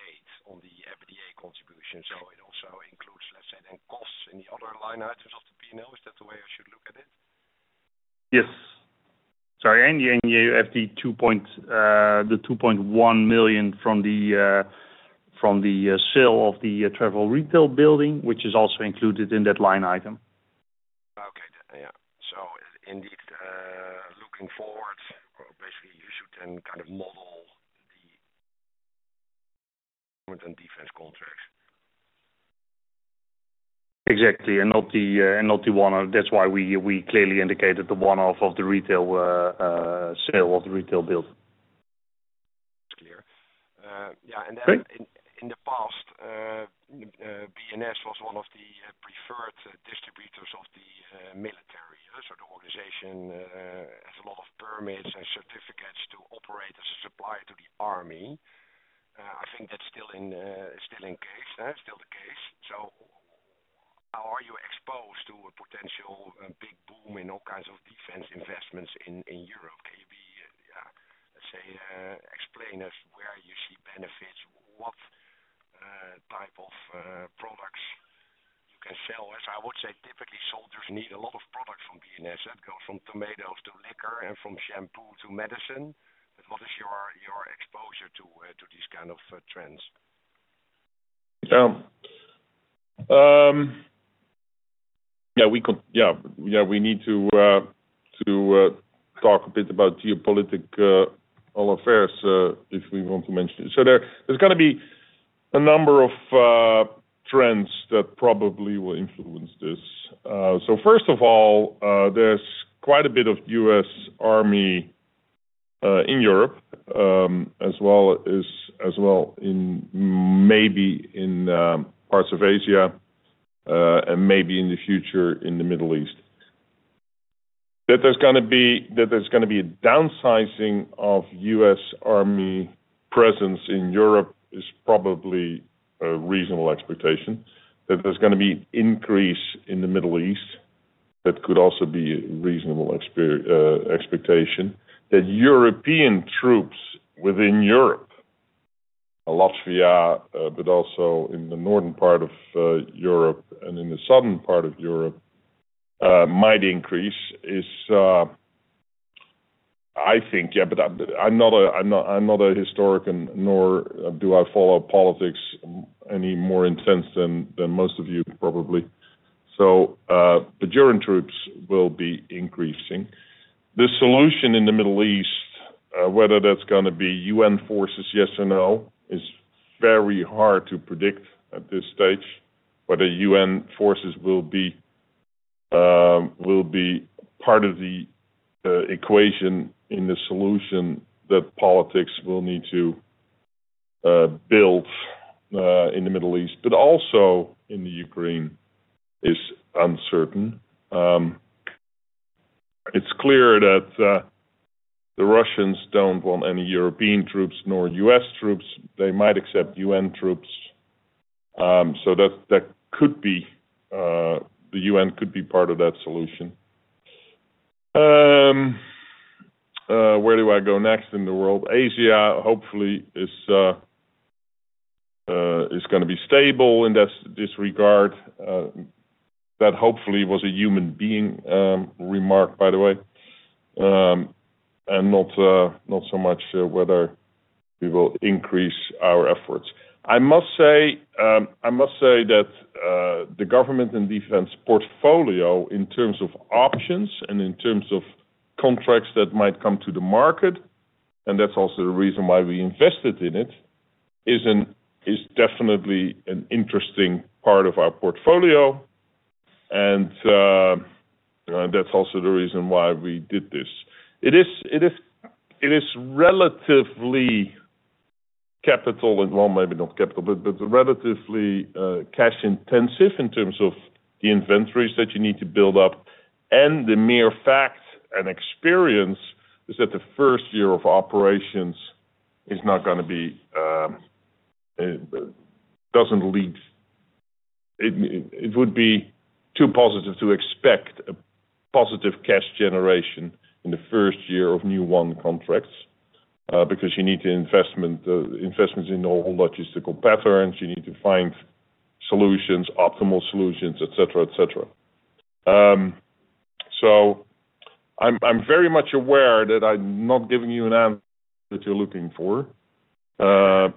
on the EBITDA contribution. It also includes, let's say, then costs in the other line items of the P&L. Is that the way I should look at it? Yes. Sorry. You have the 2.1 million from the sale of the travel retail building, which is also included in that line item. Okay. Yeah. So indeed, looking forward, basically, you should then kind of model the and defense contracts. Exactly. Not the one-off. That is why we clearly indicated the one-off of the retail sale of the retail building. That's clear. Yeah. In the past, B&S was one of the preferred distributors of the military. The organization has a lot of permits and certificates to operate as a supplier to the army. I think that's still the case. How are you exposed to a potential big boom in all kinds of defense investments in Europe? Can you, yeah, let's say, explain to us where you see benefits, what type of products you can sell? As I would say, typically, soldiers need a lot of products from B&S. That goes from tomatoes to liquor and from shampoo to medicine. What is your exposure to these kind of trends? Yeah. Yeah. Yeah. We need to talk a bit about geopolitical affairs if we want to mention it. There's going to be a number of trends that probably will influence this. First of all, there's quite a bit of U.S. army in Europe as well as in maybe in parts of Asia and maybe in the future in the Middle East. That there's going to be a downsizing of U.S. army presence in Europe is probably a reasonable expectation. That there's going to be an increase in the Middle East, that could also be a reasonable expectation. That European troops within Europe, Latvia, but also in the northern part of Europe and in the southern part of Europe, might increase, I think. Yeah. I'm not a historian nor do I follow politics any more intense than most of you probably. The German troops will be increasing. The solution in the Middle East, whether that's going to be UN forces, yes or no, is very hard to predict at this stage, whether UN forces will be part of the equation in the solution that politics will need to build in the Middle East, but also in the Ukraine is uncertain. It's clear that the Russians don't want any European troops nor US troops. They might accept UN troops. That could be the UN could be part of that solution. Where do I go next in the world? Asia, hopefully, is going to be stable in this regard. That hopefully was a human being remark, by the way, and not so much whether we will increase our efforts. I must say that the government and defense portfolio in terms of options and in terms of contracts that might come to the market, and that's also the reason why we invested in it, is definitely an interesting part of our portfolio. That's also the reason why we did this. It is relatively capital and, well, maybe not capital, but relatively cash intensive in terms of the inventories that you need to build up. The mere fact and experience is that the first year of operations is not going to be, doesn't lead, it would be too positive to expect a positive cash generation in the first year of new one contracts because you need investments in all logistical patterns. You need to find solutions, optimal solutions, et cetera, et I am very much aware that I am not giving you an answer that you're looking for. I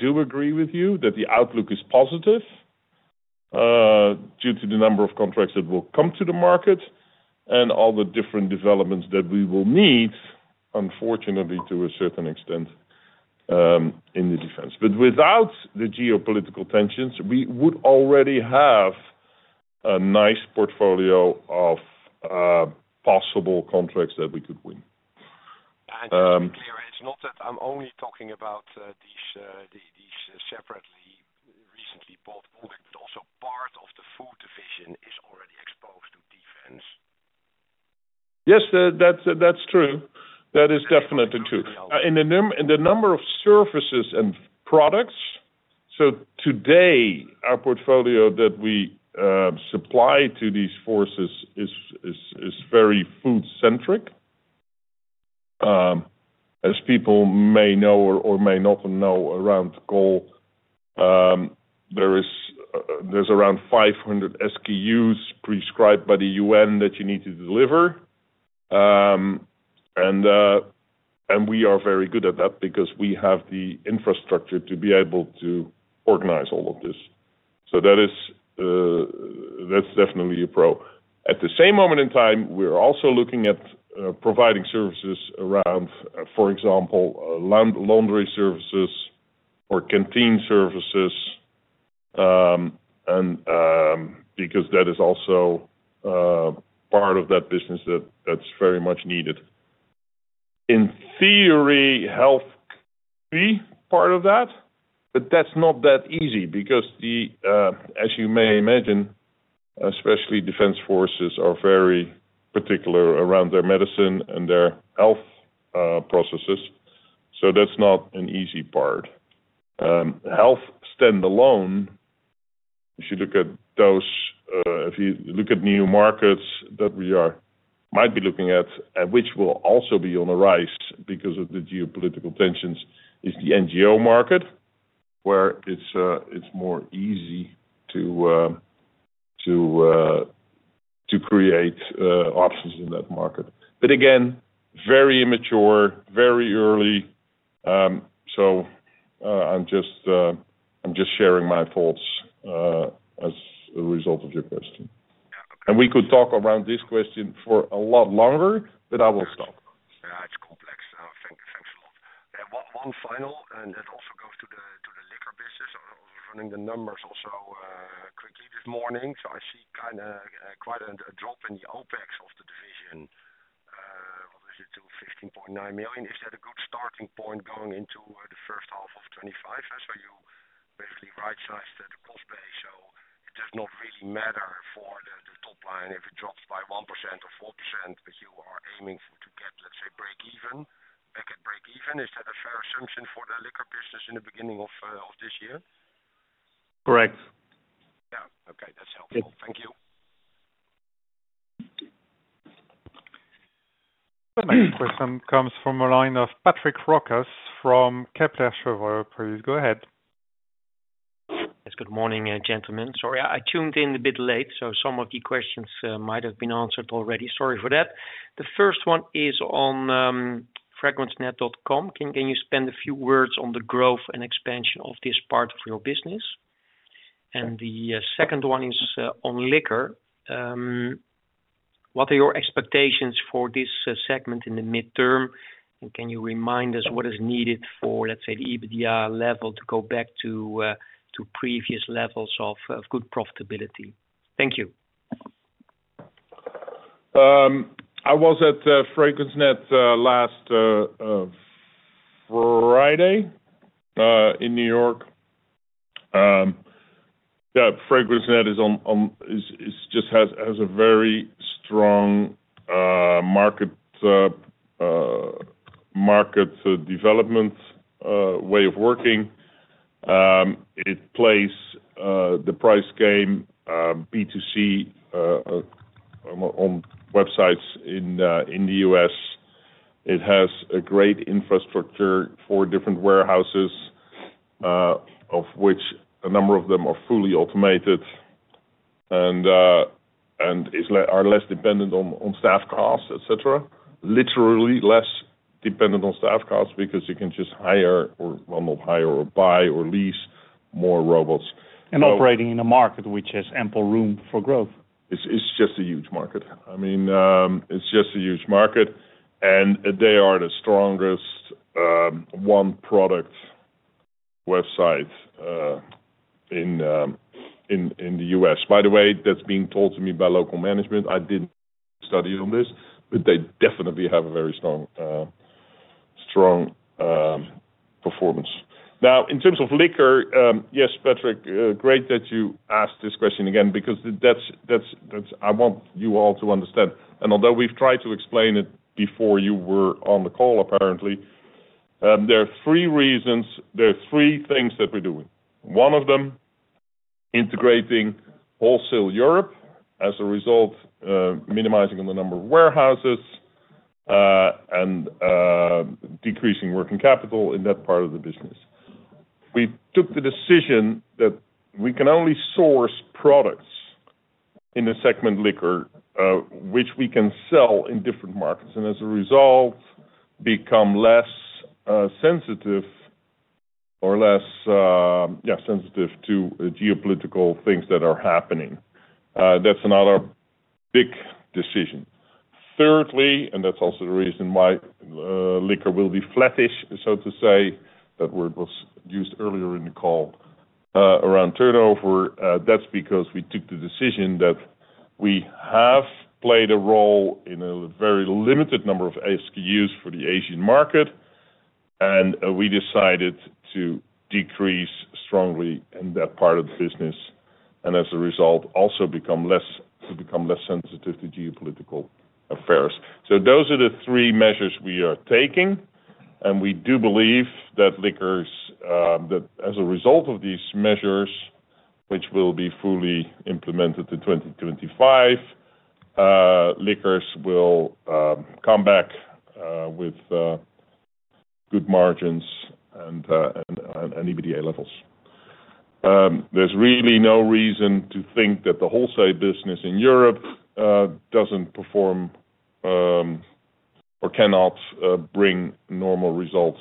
do agree with you that the outlook is positive due to the number of contracts that will come to the market and all the different developments that we will need, unfortunately, to a certain extent in the defense. Without the geopolitical tensions, we would already have a nice portfolio of possible contracts that we could win. I'm not only talking about these separately recently bought, but also part of the food division is already exposed to defense. Yes, that's true. That is definitely true. The number of surfaces and products, so today, our portfolio that we supply to these forces is very food-centric. As people may know or may not know, around coal, there are around 500 SKUs prescribed by the UN that you need to deliver. We are very good at that because we have the infrastructure to be able to organize all of this. That's definitely a pro. At the same moment in time, we're also looking at providing services around, for example, laundry services or canteen services because that is also part of that business that's very much needed. In theory, health could be part of that, but that's not that easy because, as you may imagine, especially defense forces are very particular around their medicine and their health processes. That's not an easy part. Health standalone, if you look at those, if you look at new markets that we might be looking at and which will also be on the rise because of the geopolitical tensions, is the NGO market where it's more easy to create options in that market. Again, very immature, very early. I am just sharing my thoughts as a result of your question. We could talk around this question for a lot longer, but I will stop. Yeah. It's complex. Thanks a lot. One final, and that also goes to the liquor business. I was running the numbers also quickly this morning. I see quite a drop in the OpEx of the division. What is it? To 15.9 million. Is that a good starting point going into the first half of 2025? You basically right-sized the cost base. It does not really matter for the top line if it drops by 1% or 4%, but you are aiming to get, let's say, break-even. Make it break-even. Is that a fair assumption for the liquor business in the beginning of this year? Correct. Yeah. Okay. That's helpful. Thank you. The next question comes from a line of Patrick Roquas from Kepler Cheuvreux, please. Go ahead. Yes. Good morning, gentlemen. Sorry, I tuned in a bit late, so some of the questions might have been answered already. Sorry for that. The first one is on FragranceNet.com. Can you spend a few words on the growth and expansion of this part of your business? The second one is on liquor. What are your expectations for this segment in the midterm? Can you remind us what is needed for, let's say, the EBITDA level to go back to previous levels of good profitability? Thank you. I was at FragranceNet last Friday in New York. Yeah. FragranceNet just has a very strong market development way of working. It plays the price game B2C on websites in the US. It has a great infrastructure for different warehouses, of which a number of them are fully automated and are less dependent on staff costs, et cetera. Literally less dependent on staff costs because you can just hire or, well, not hire or buy or lease more robots. Operating in a market which has ample room for growth. It's just a huge market. I mean, it's just a huge market. They are the strongest one-product website in the US. By the way, that's being told to me by local management. I didn't study on this, but they definitely have a very strong performance. Now, in terms of liquor, yes, Patrick, great that you asked this question again because I want you all to understand. Although we've tried to explain it before you were on the call, apparently, there are three reasons. There are three things that we're doing. One of them, integrating wholesale Europe as a result, minimizing the number of warehouses and decreasing working capital in that part of the business. We took the decision that we can only source products in the segment liquor, which we can sell in different markets. As a result, become less sensitive or less, yeah, sensitive to geopolitical things that are happening. That is another big decision. Thirdly, and that is also the reason why liquor will be flattish, so to say, that word was used earlier in the call around turnover. That is because we took the decision that we have played a role in a very limited number of SKUs for the Asian market, and we decided to decrease strongly in that part of the business. As a result, also become less sensitive to geopolitical affairs. Those are the three measures we are taking. We do believe that liquors, that as a result of these measures, which will be fully implemented in 2025, liquors will come back with good margins and EBITDA levels. is really no reason to think that the wholesale business in Europe does not perform or cannot bring normal results,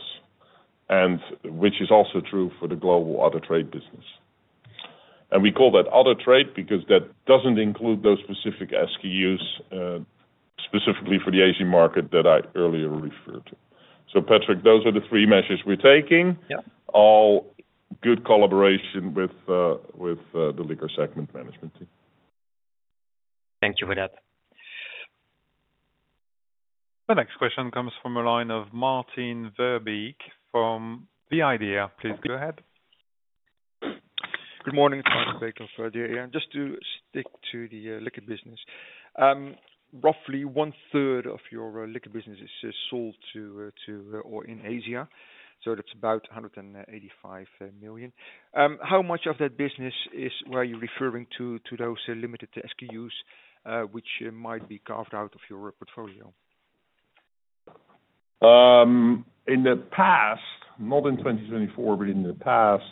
which is also true for the global other trade business. We call that other trade because that does not include those specific SKUs specifically for the Asian market that I earlier referred to. Patrick, those are the three measures we are taking, all good collaboration with the liquor segment management team. Thank you for that. The next question comes from a line of Maarten Verbeek from the IDEA!. Please go ahead. Good morning. Just to stick to the liquor business. Roughly one-third of your liquor business is sold in Asia. So that's about 185 million. How much of that business is where you're referring to those limited SKUs which might be carved out of your portfolio? In the past, not in 2024, but in the past,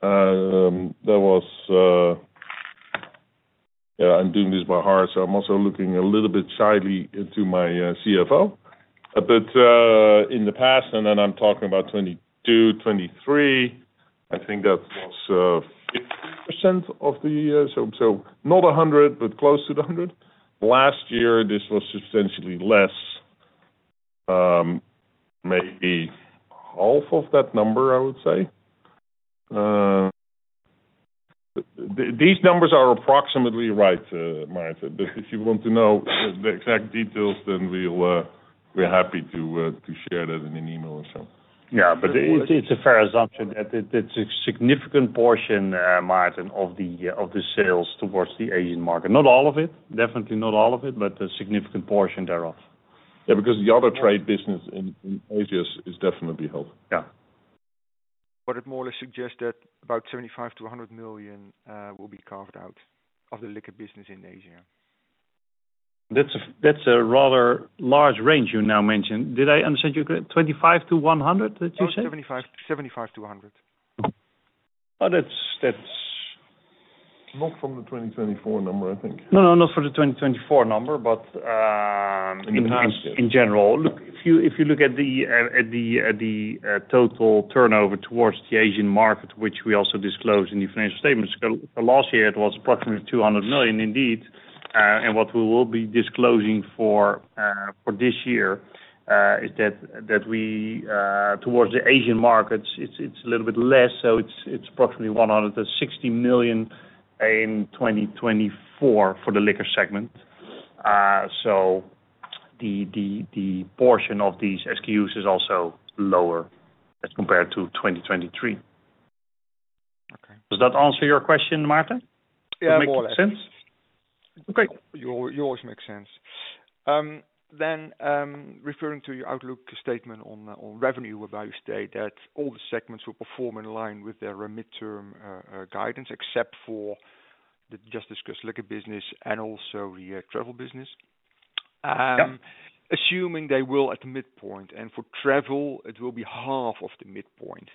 there was, yeah, I'm doing this by heart, so I'm also looking a little bit shyly into my CFO. In the past, and then I'm talking about 2022, 2023, I think that was 50% of the year. Not 100, but close to the 100. Last year, this was substantially less, maybe half of that number, I would say. These numbers are approximately right, Maarten. If you want to know the exact details, then we're happy to share that in an email or so. Yeah. It is a fair assumption that it is a significant portion, Maarten, of the sales towards the Asian market. Not all of it, definitely not all of it, but a significant portion thereof. Yeah. Because the other trade business in Asia is definitely held. Yeah. It more or less suggests that about 25 million-100 million will be carved out of the liquor business in Asia. That's a rather large range you now mentioned. Did I understand you got 25-100 that you said? 75-100. Not from the 2024 number, I think. No, no, not for the 2024 number, but in general. In the past. If you look at the total turnover towards the Asian market, which we also disclose in the financial statements, last year, it was approximately 200 million indeed. What we will be disclosing for this year is that towards the Asian markets, it is a little bit less. It is approximately 160 million in 2024 for the liquor segment. The portion of these SKUs is also lower as compared to 2023. Does that answer your question, Maarten? Does that make sense? Yeah. It always makes sense. Great. It always makes sense. Referring to your outlook statement on revenue, where you state that all the segments will perform in line with their midterm guidance, except for the just-discussed liquor business and also the travel business, assuming they will at the midpoint. For travel, it will be half of the midpoint.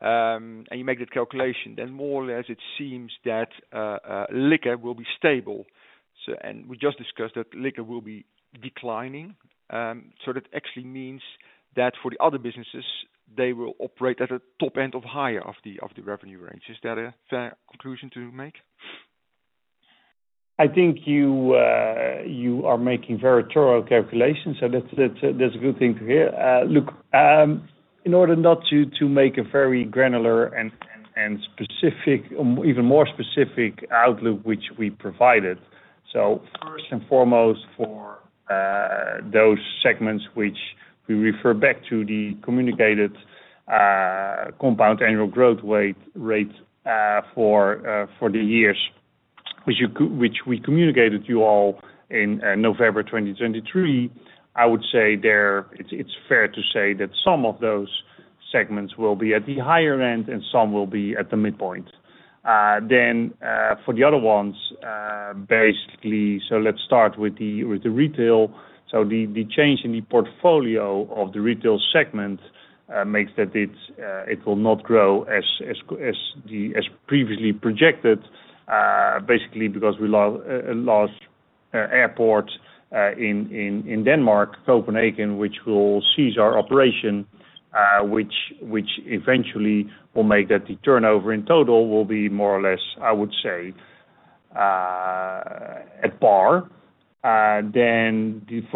You make that calculation. More or less, it seems that liquor will be stable. We just discussed that liquor will be declining. That actually means that for the other businesses, they will operate at the top end or higher of the revenue range. Is that a fair conclusion to make? I think you are making very thorough calculations, so that's a good thing to hear. Look, in order not to make a very granular and even more specific outlook, which we provided, first and foremost for those segments, which we refer back to the communicated compound annual growth rate for the years, which we communicated to you all in November 2023, I would say it's fair to say that some of those segments will be at the higher end and some will be at the midpoint. For the other ones, basically, let's start with the retail. The change in the portfolio of the retail segment makes that it will not grow as previously projected, basically because we lost airports in Denmark, Copenhagen, which will cease our operation, which eventually will make that the turnover in total will be more or less, I would say, at par. For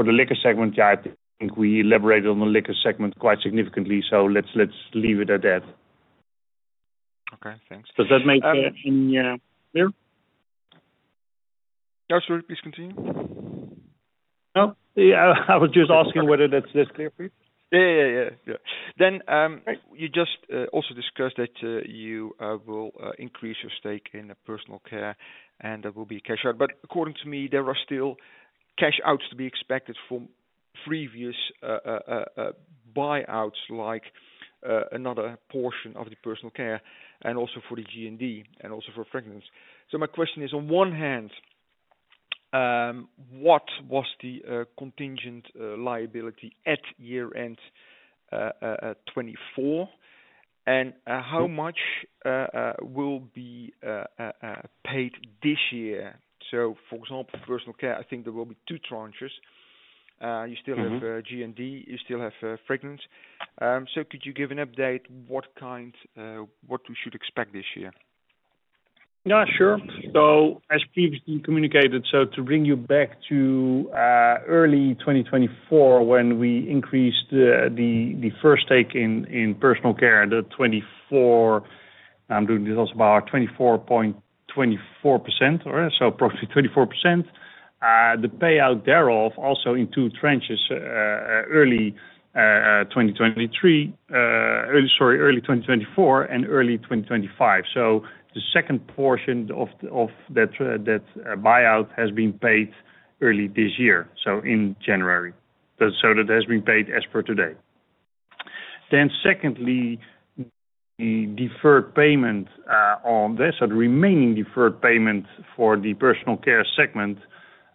the liquor segment, yeah, I think we elaborated on the liquor segment quite significantly, so let's leave it at that. Okay. Thanks. Does that make any clearer? No, sorry. Please continue. No. I was just asking whether that's clear for you. Yeah, yeah, yeah. You just also discussed that you will increase your stake in personal care and there will be cash out. According to me, there are still cash outs to be expected from previous buyouts, like another portion of the personal care and also for the G&D and also for Fragrance. My question is, on one hand, what was the contingent liability at year-end 2024? How much will be paid this year? For example, for personal care, I think there will be two tranches. You still have G&D. You still have Fragrance. Could you give an update what we should expect this year? Yeah. Sure. As previously communicated, to bring you back to early 2024, when we increased the first stake in personal care, the 24%, I'm doing this also about 24.24%, so approximately 24%. The payout thereof, also in two tranches, early 2023, sorry, early 2024 and early 2025. The second portion of that buyout has been paid early this year, in January. That has been paid as per today. Secondly, the deferred payment on this, the remaining deferred payment for the personal care segment,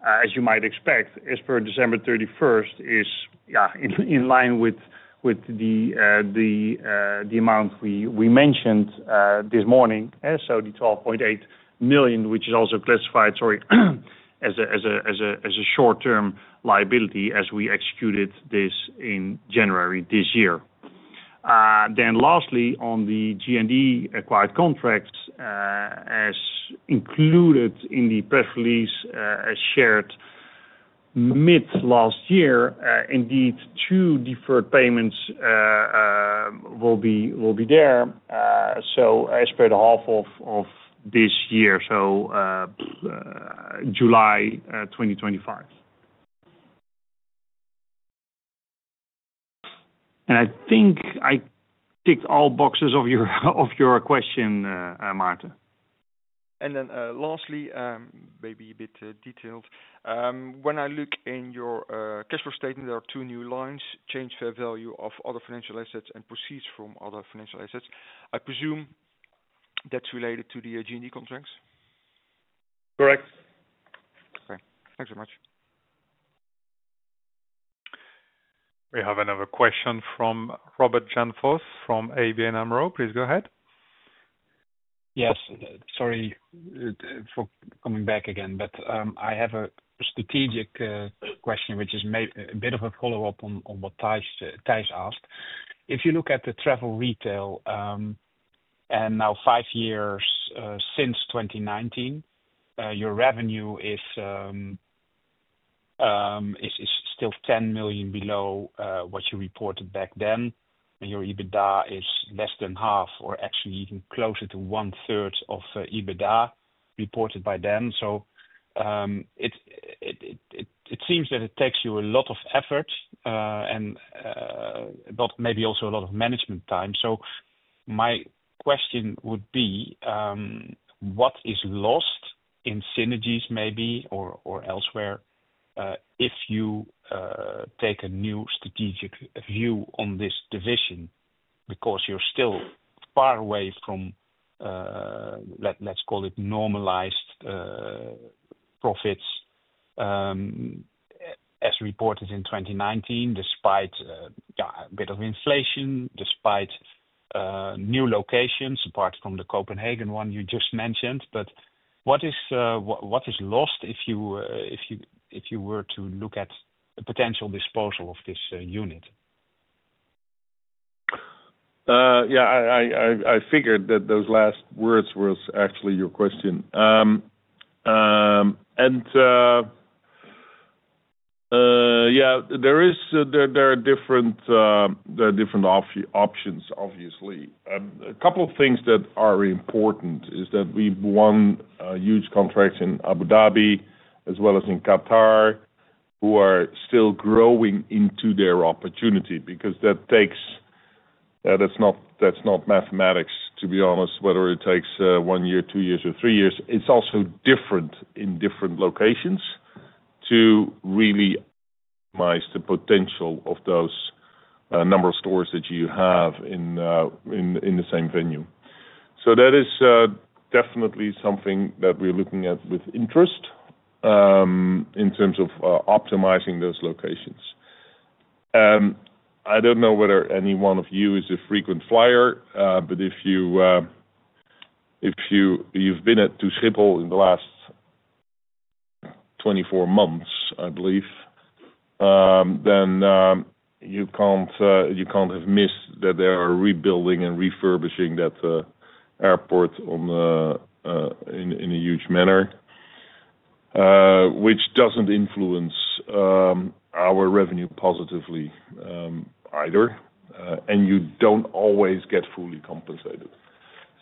as you might expect, as per December 31, is, yeah, in line with the amount we mentioned this morning, the 12.8 million, which is also classified, sorry, as a short-term liability as we executed this in January this year. Lastly, on the G&D acquired contracts, as included in the press release as shared mid last year, indeed, two deferred payments will be there, as per the half of this year, so July 2025. I think I ticked all boxes of your question, Maarten. Lastly, maybe a bit detailed. When I look in your cash flow statement, there are two new lines: change fair value of other financial assets and proceeds from other financial assets. I presume that's related to the G&D contracts? Correct. Okay. Thanks very much. We have another question from Robert Jan Vos from ABN AMRO. Please go ahead. Yes. Sorry for coming back again, but I have a strategic question, which is a bit of a follow-up on what Tijs asked. If you look at the travel retail and now five years since 2019, your revenue is still 10 million below what you reported back then, and your EBITDA is less than half or actually even closer to one-third of EBITDA reported by then. It seems that it takes you a lot of effort and maybe also a lot of management time. My question would be, what is lost in synergies, maybe, or elsewhere if you take a new strategic view on this division because you're still far away from, let's call it, normalized profits as reported in 2019, despite a bit of inflation, despite new locations apart from the Copenhagen one you just mentioned. What is lost if you were to look at a potential disposal of this unit? Yeah. I figured that those last words were actually your question. Yeah, there are different options, obviously. A couple of things that are important is that we won huge contracts in Abu Dhabi as well as in Qatar who are still growing into their opportunity because that's not mathematics, to be honest, whether it takes one year, two years, or three years. It's also different in different locations to really optimize the potential of those number of stores that you have in the same venue. That is definitely something that we're looking at with interest in terms of optimizing those locations. I don't know whether any one of you is a frequent flyer, but if you've been to Schiphol in the last 24 months, I believe, then you can't have missed that they are rebuilding and refurbishing that airport in a huge manner, which doesn't influence our revenue positively either. You don't always get fully compensated.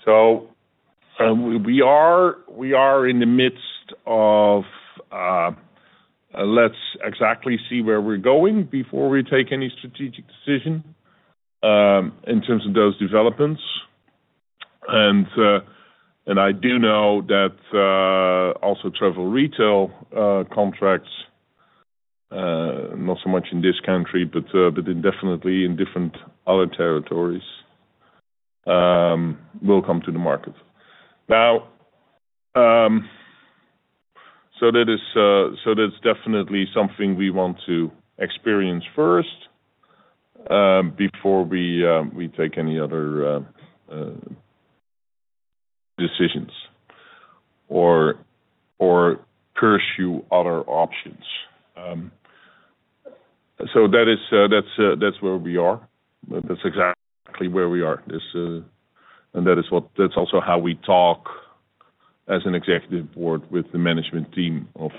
We are in the midst of let's exactly see where we're going before we take any strategic decision in terms of those developments. I do know that also travel retail contracts, not so much in this country, but definitely in different other territories, will come to the market. That is definitely something we want to experience first before we take any other decisions or pursue other options. That's where we are. That's exactly where we are. That is also how we talk as an executive board with the management team of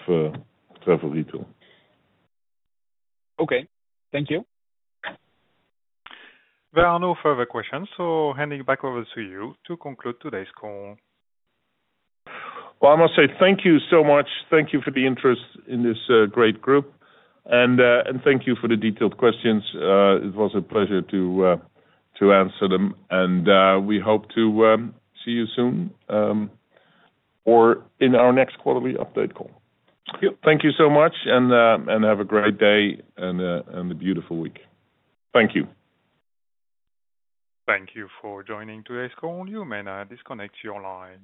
travel retail. Okay. Thank you. There are no further questions, so handing back over to you to conclude today's call. Thank you so much. Thank you for the interest in this great group. Thank you for the detailed questions. It was a pleasure to answer them. We hope to see you soon or in our next quarterly update call. Thank you so much, and have a great day and a beautiful week. Thank you. Thank you for joining today's call. You may now disconnect your line.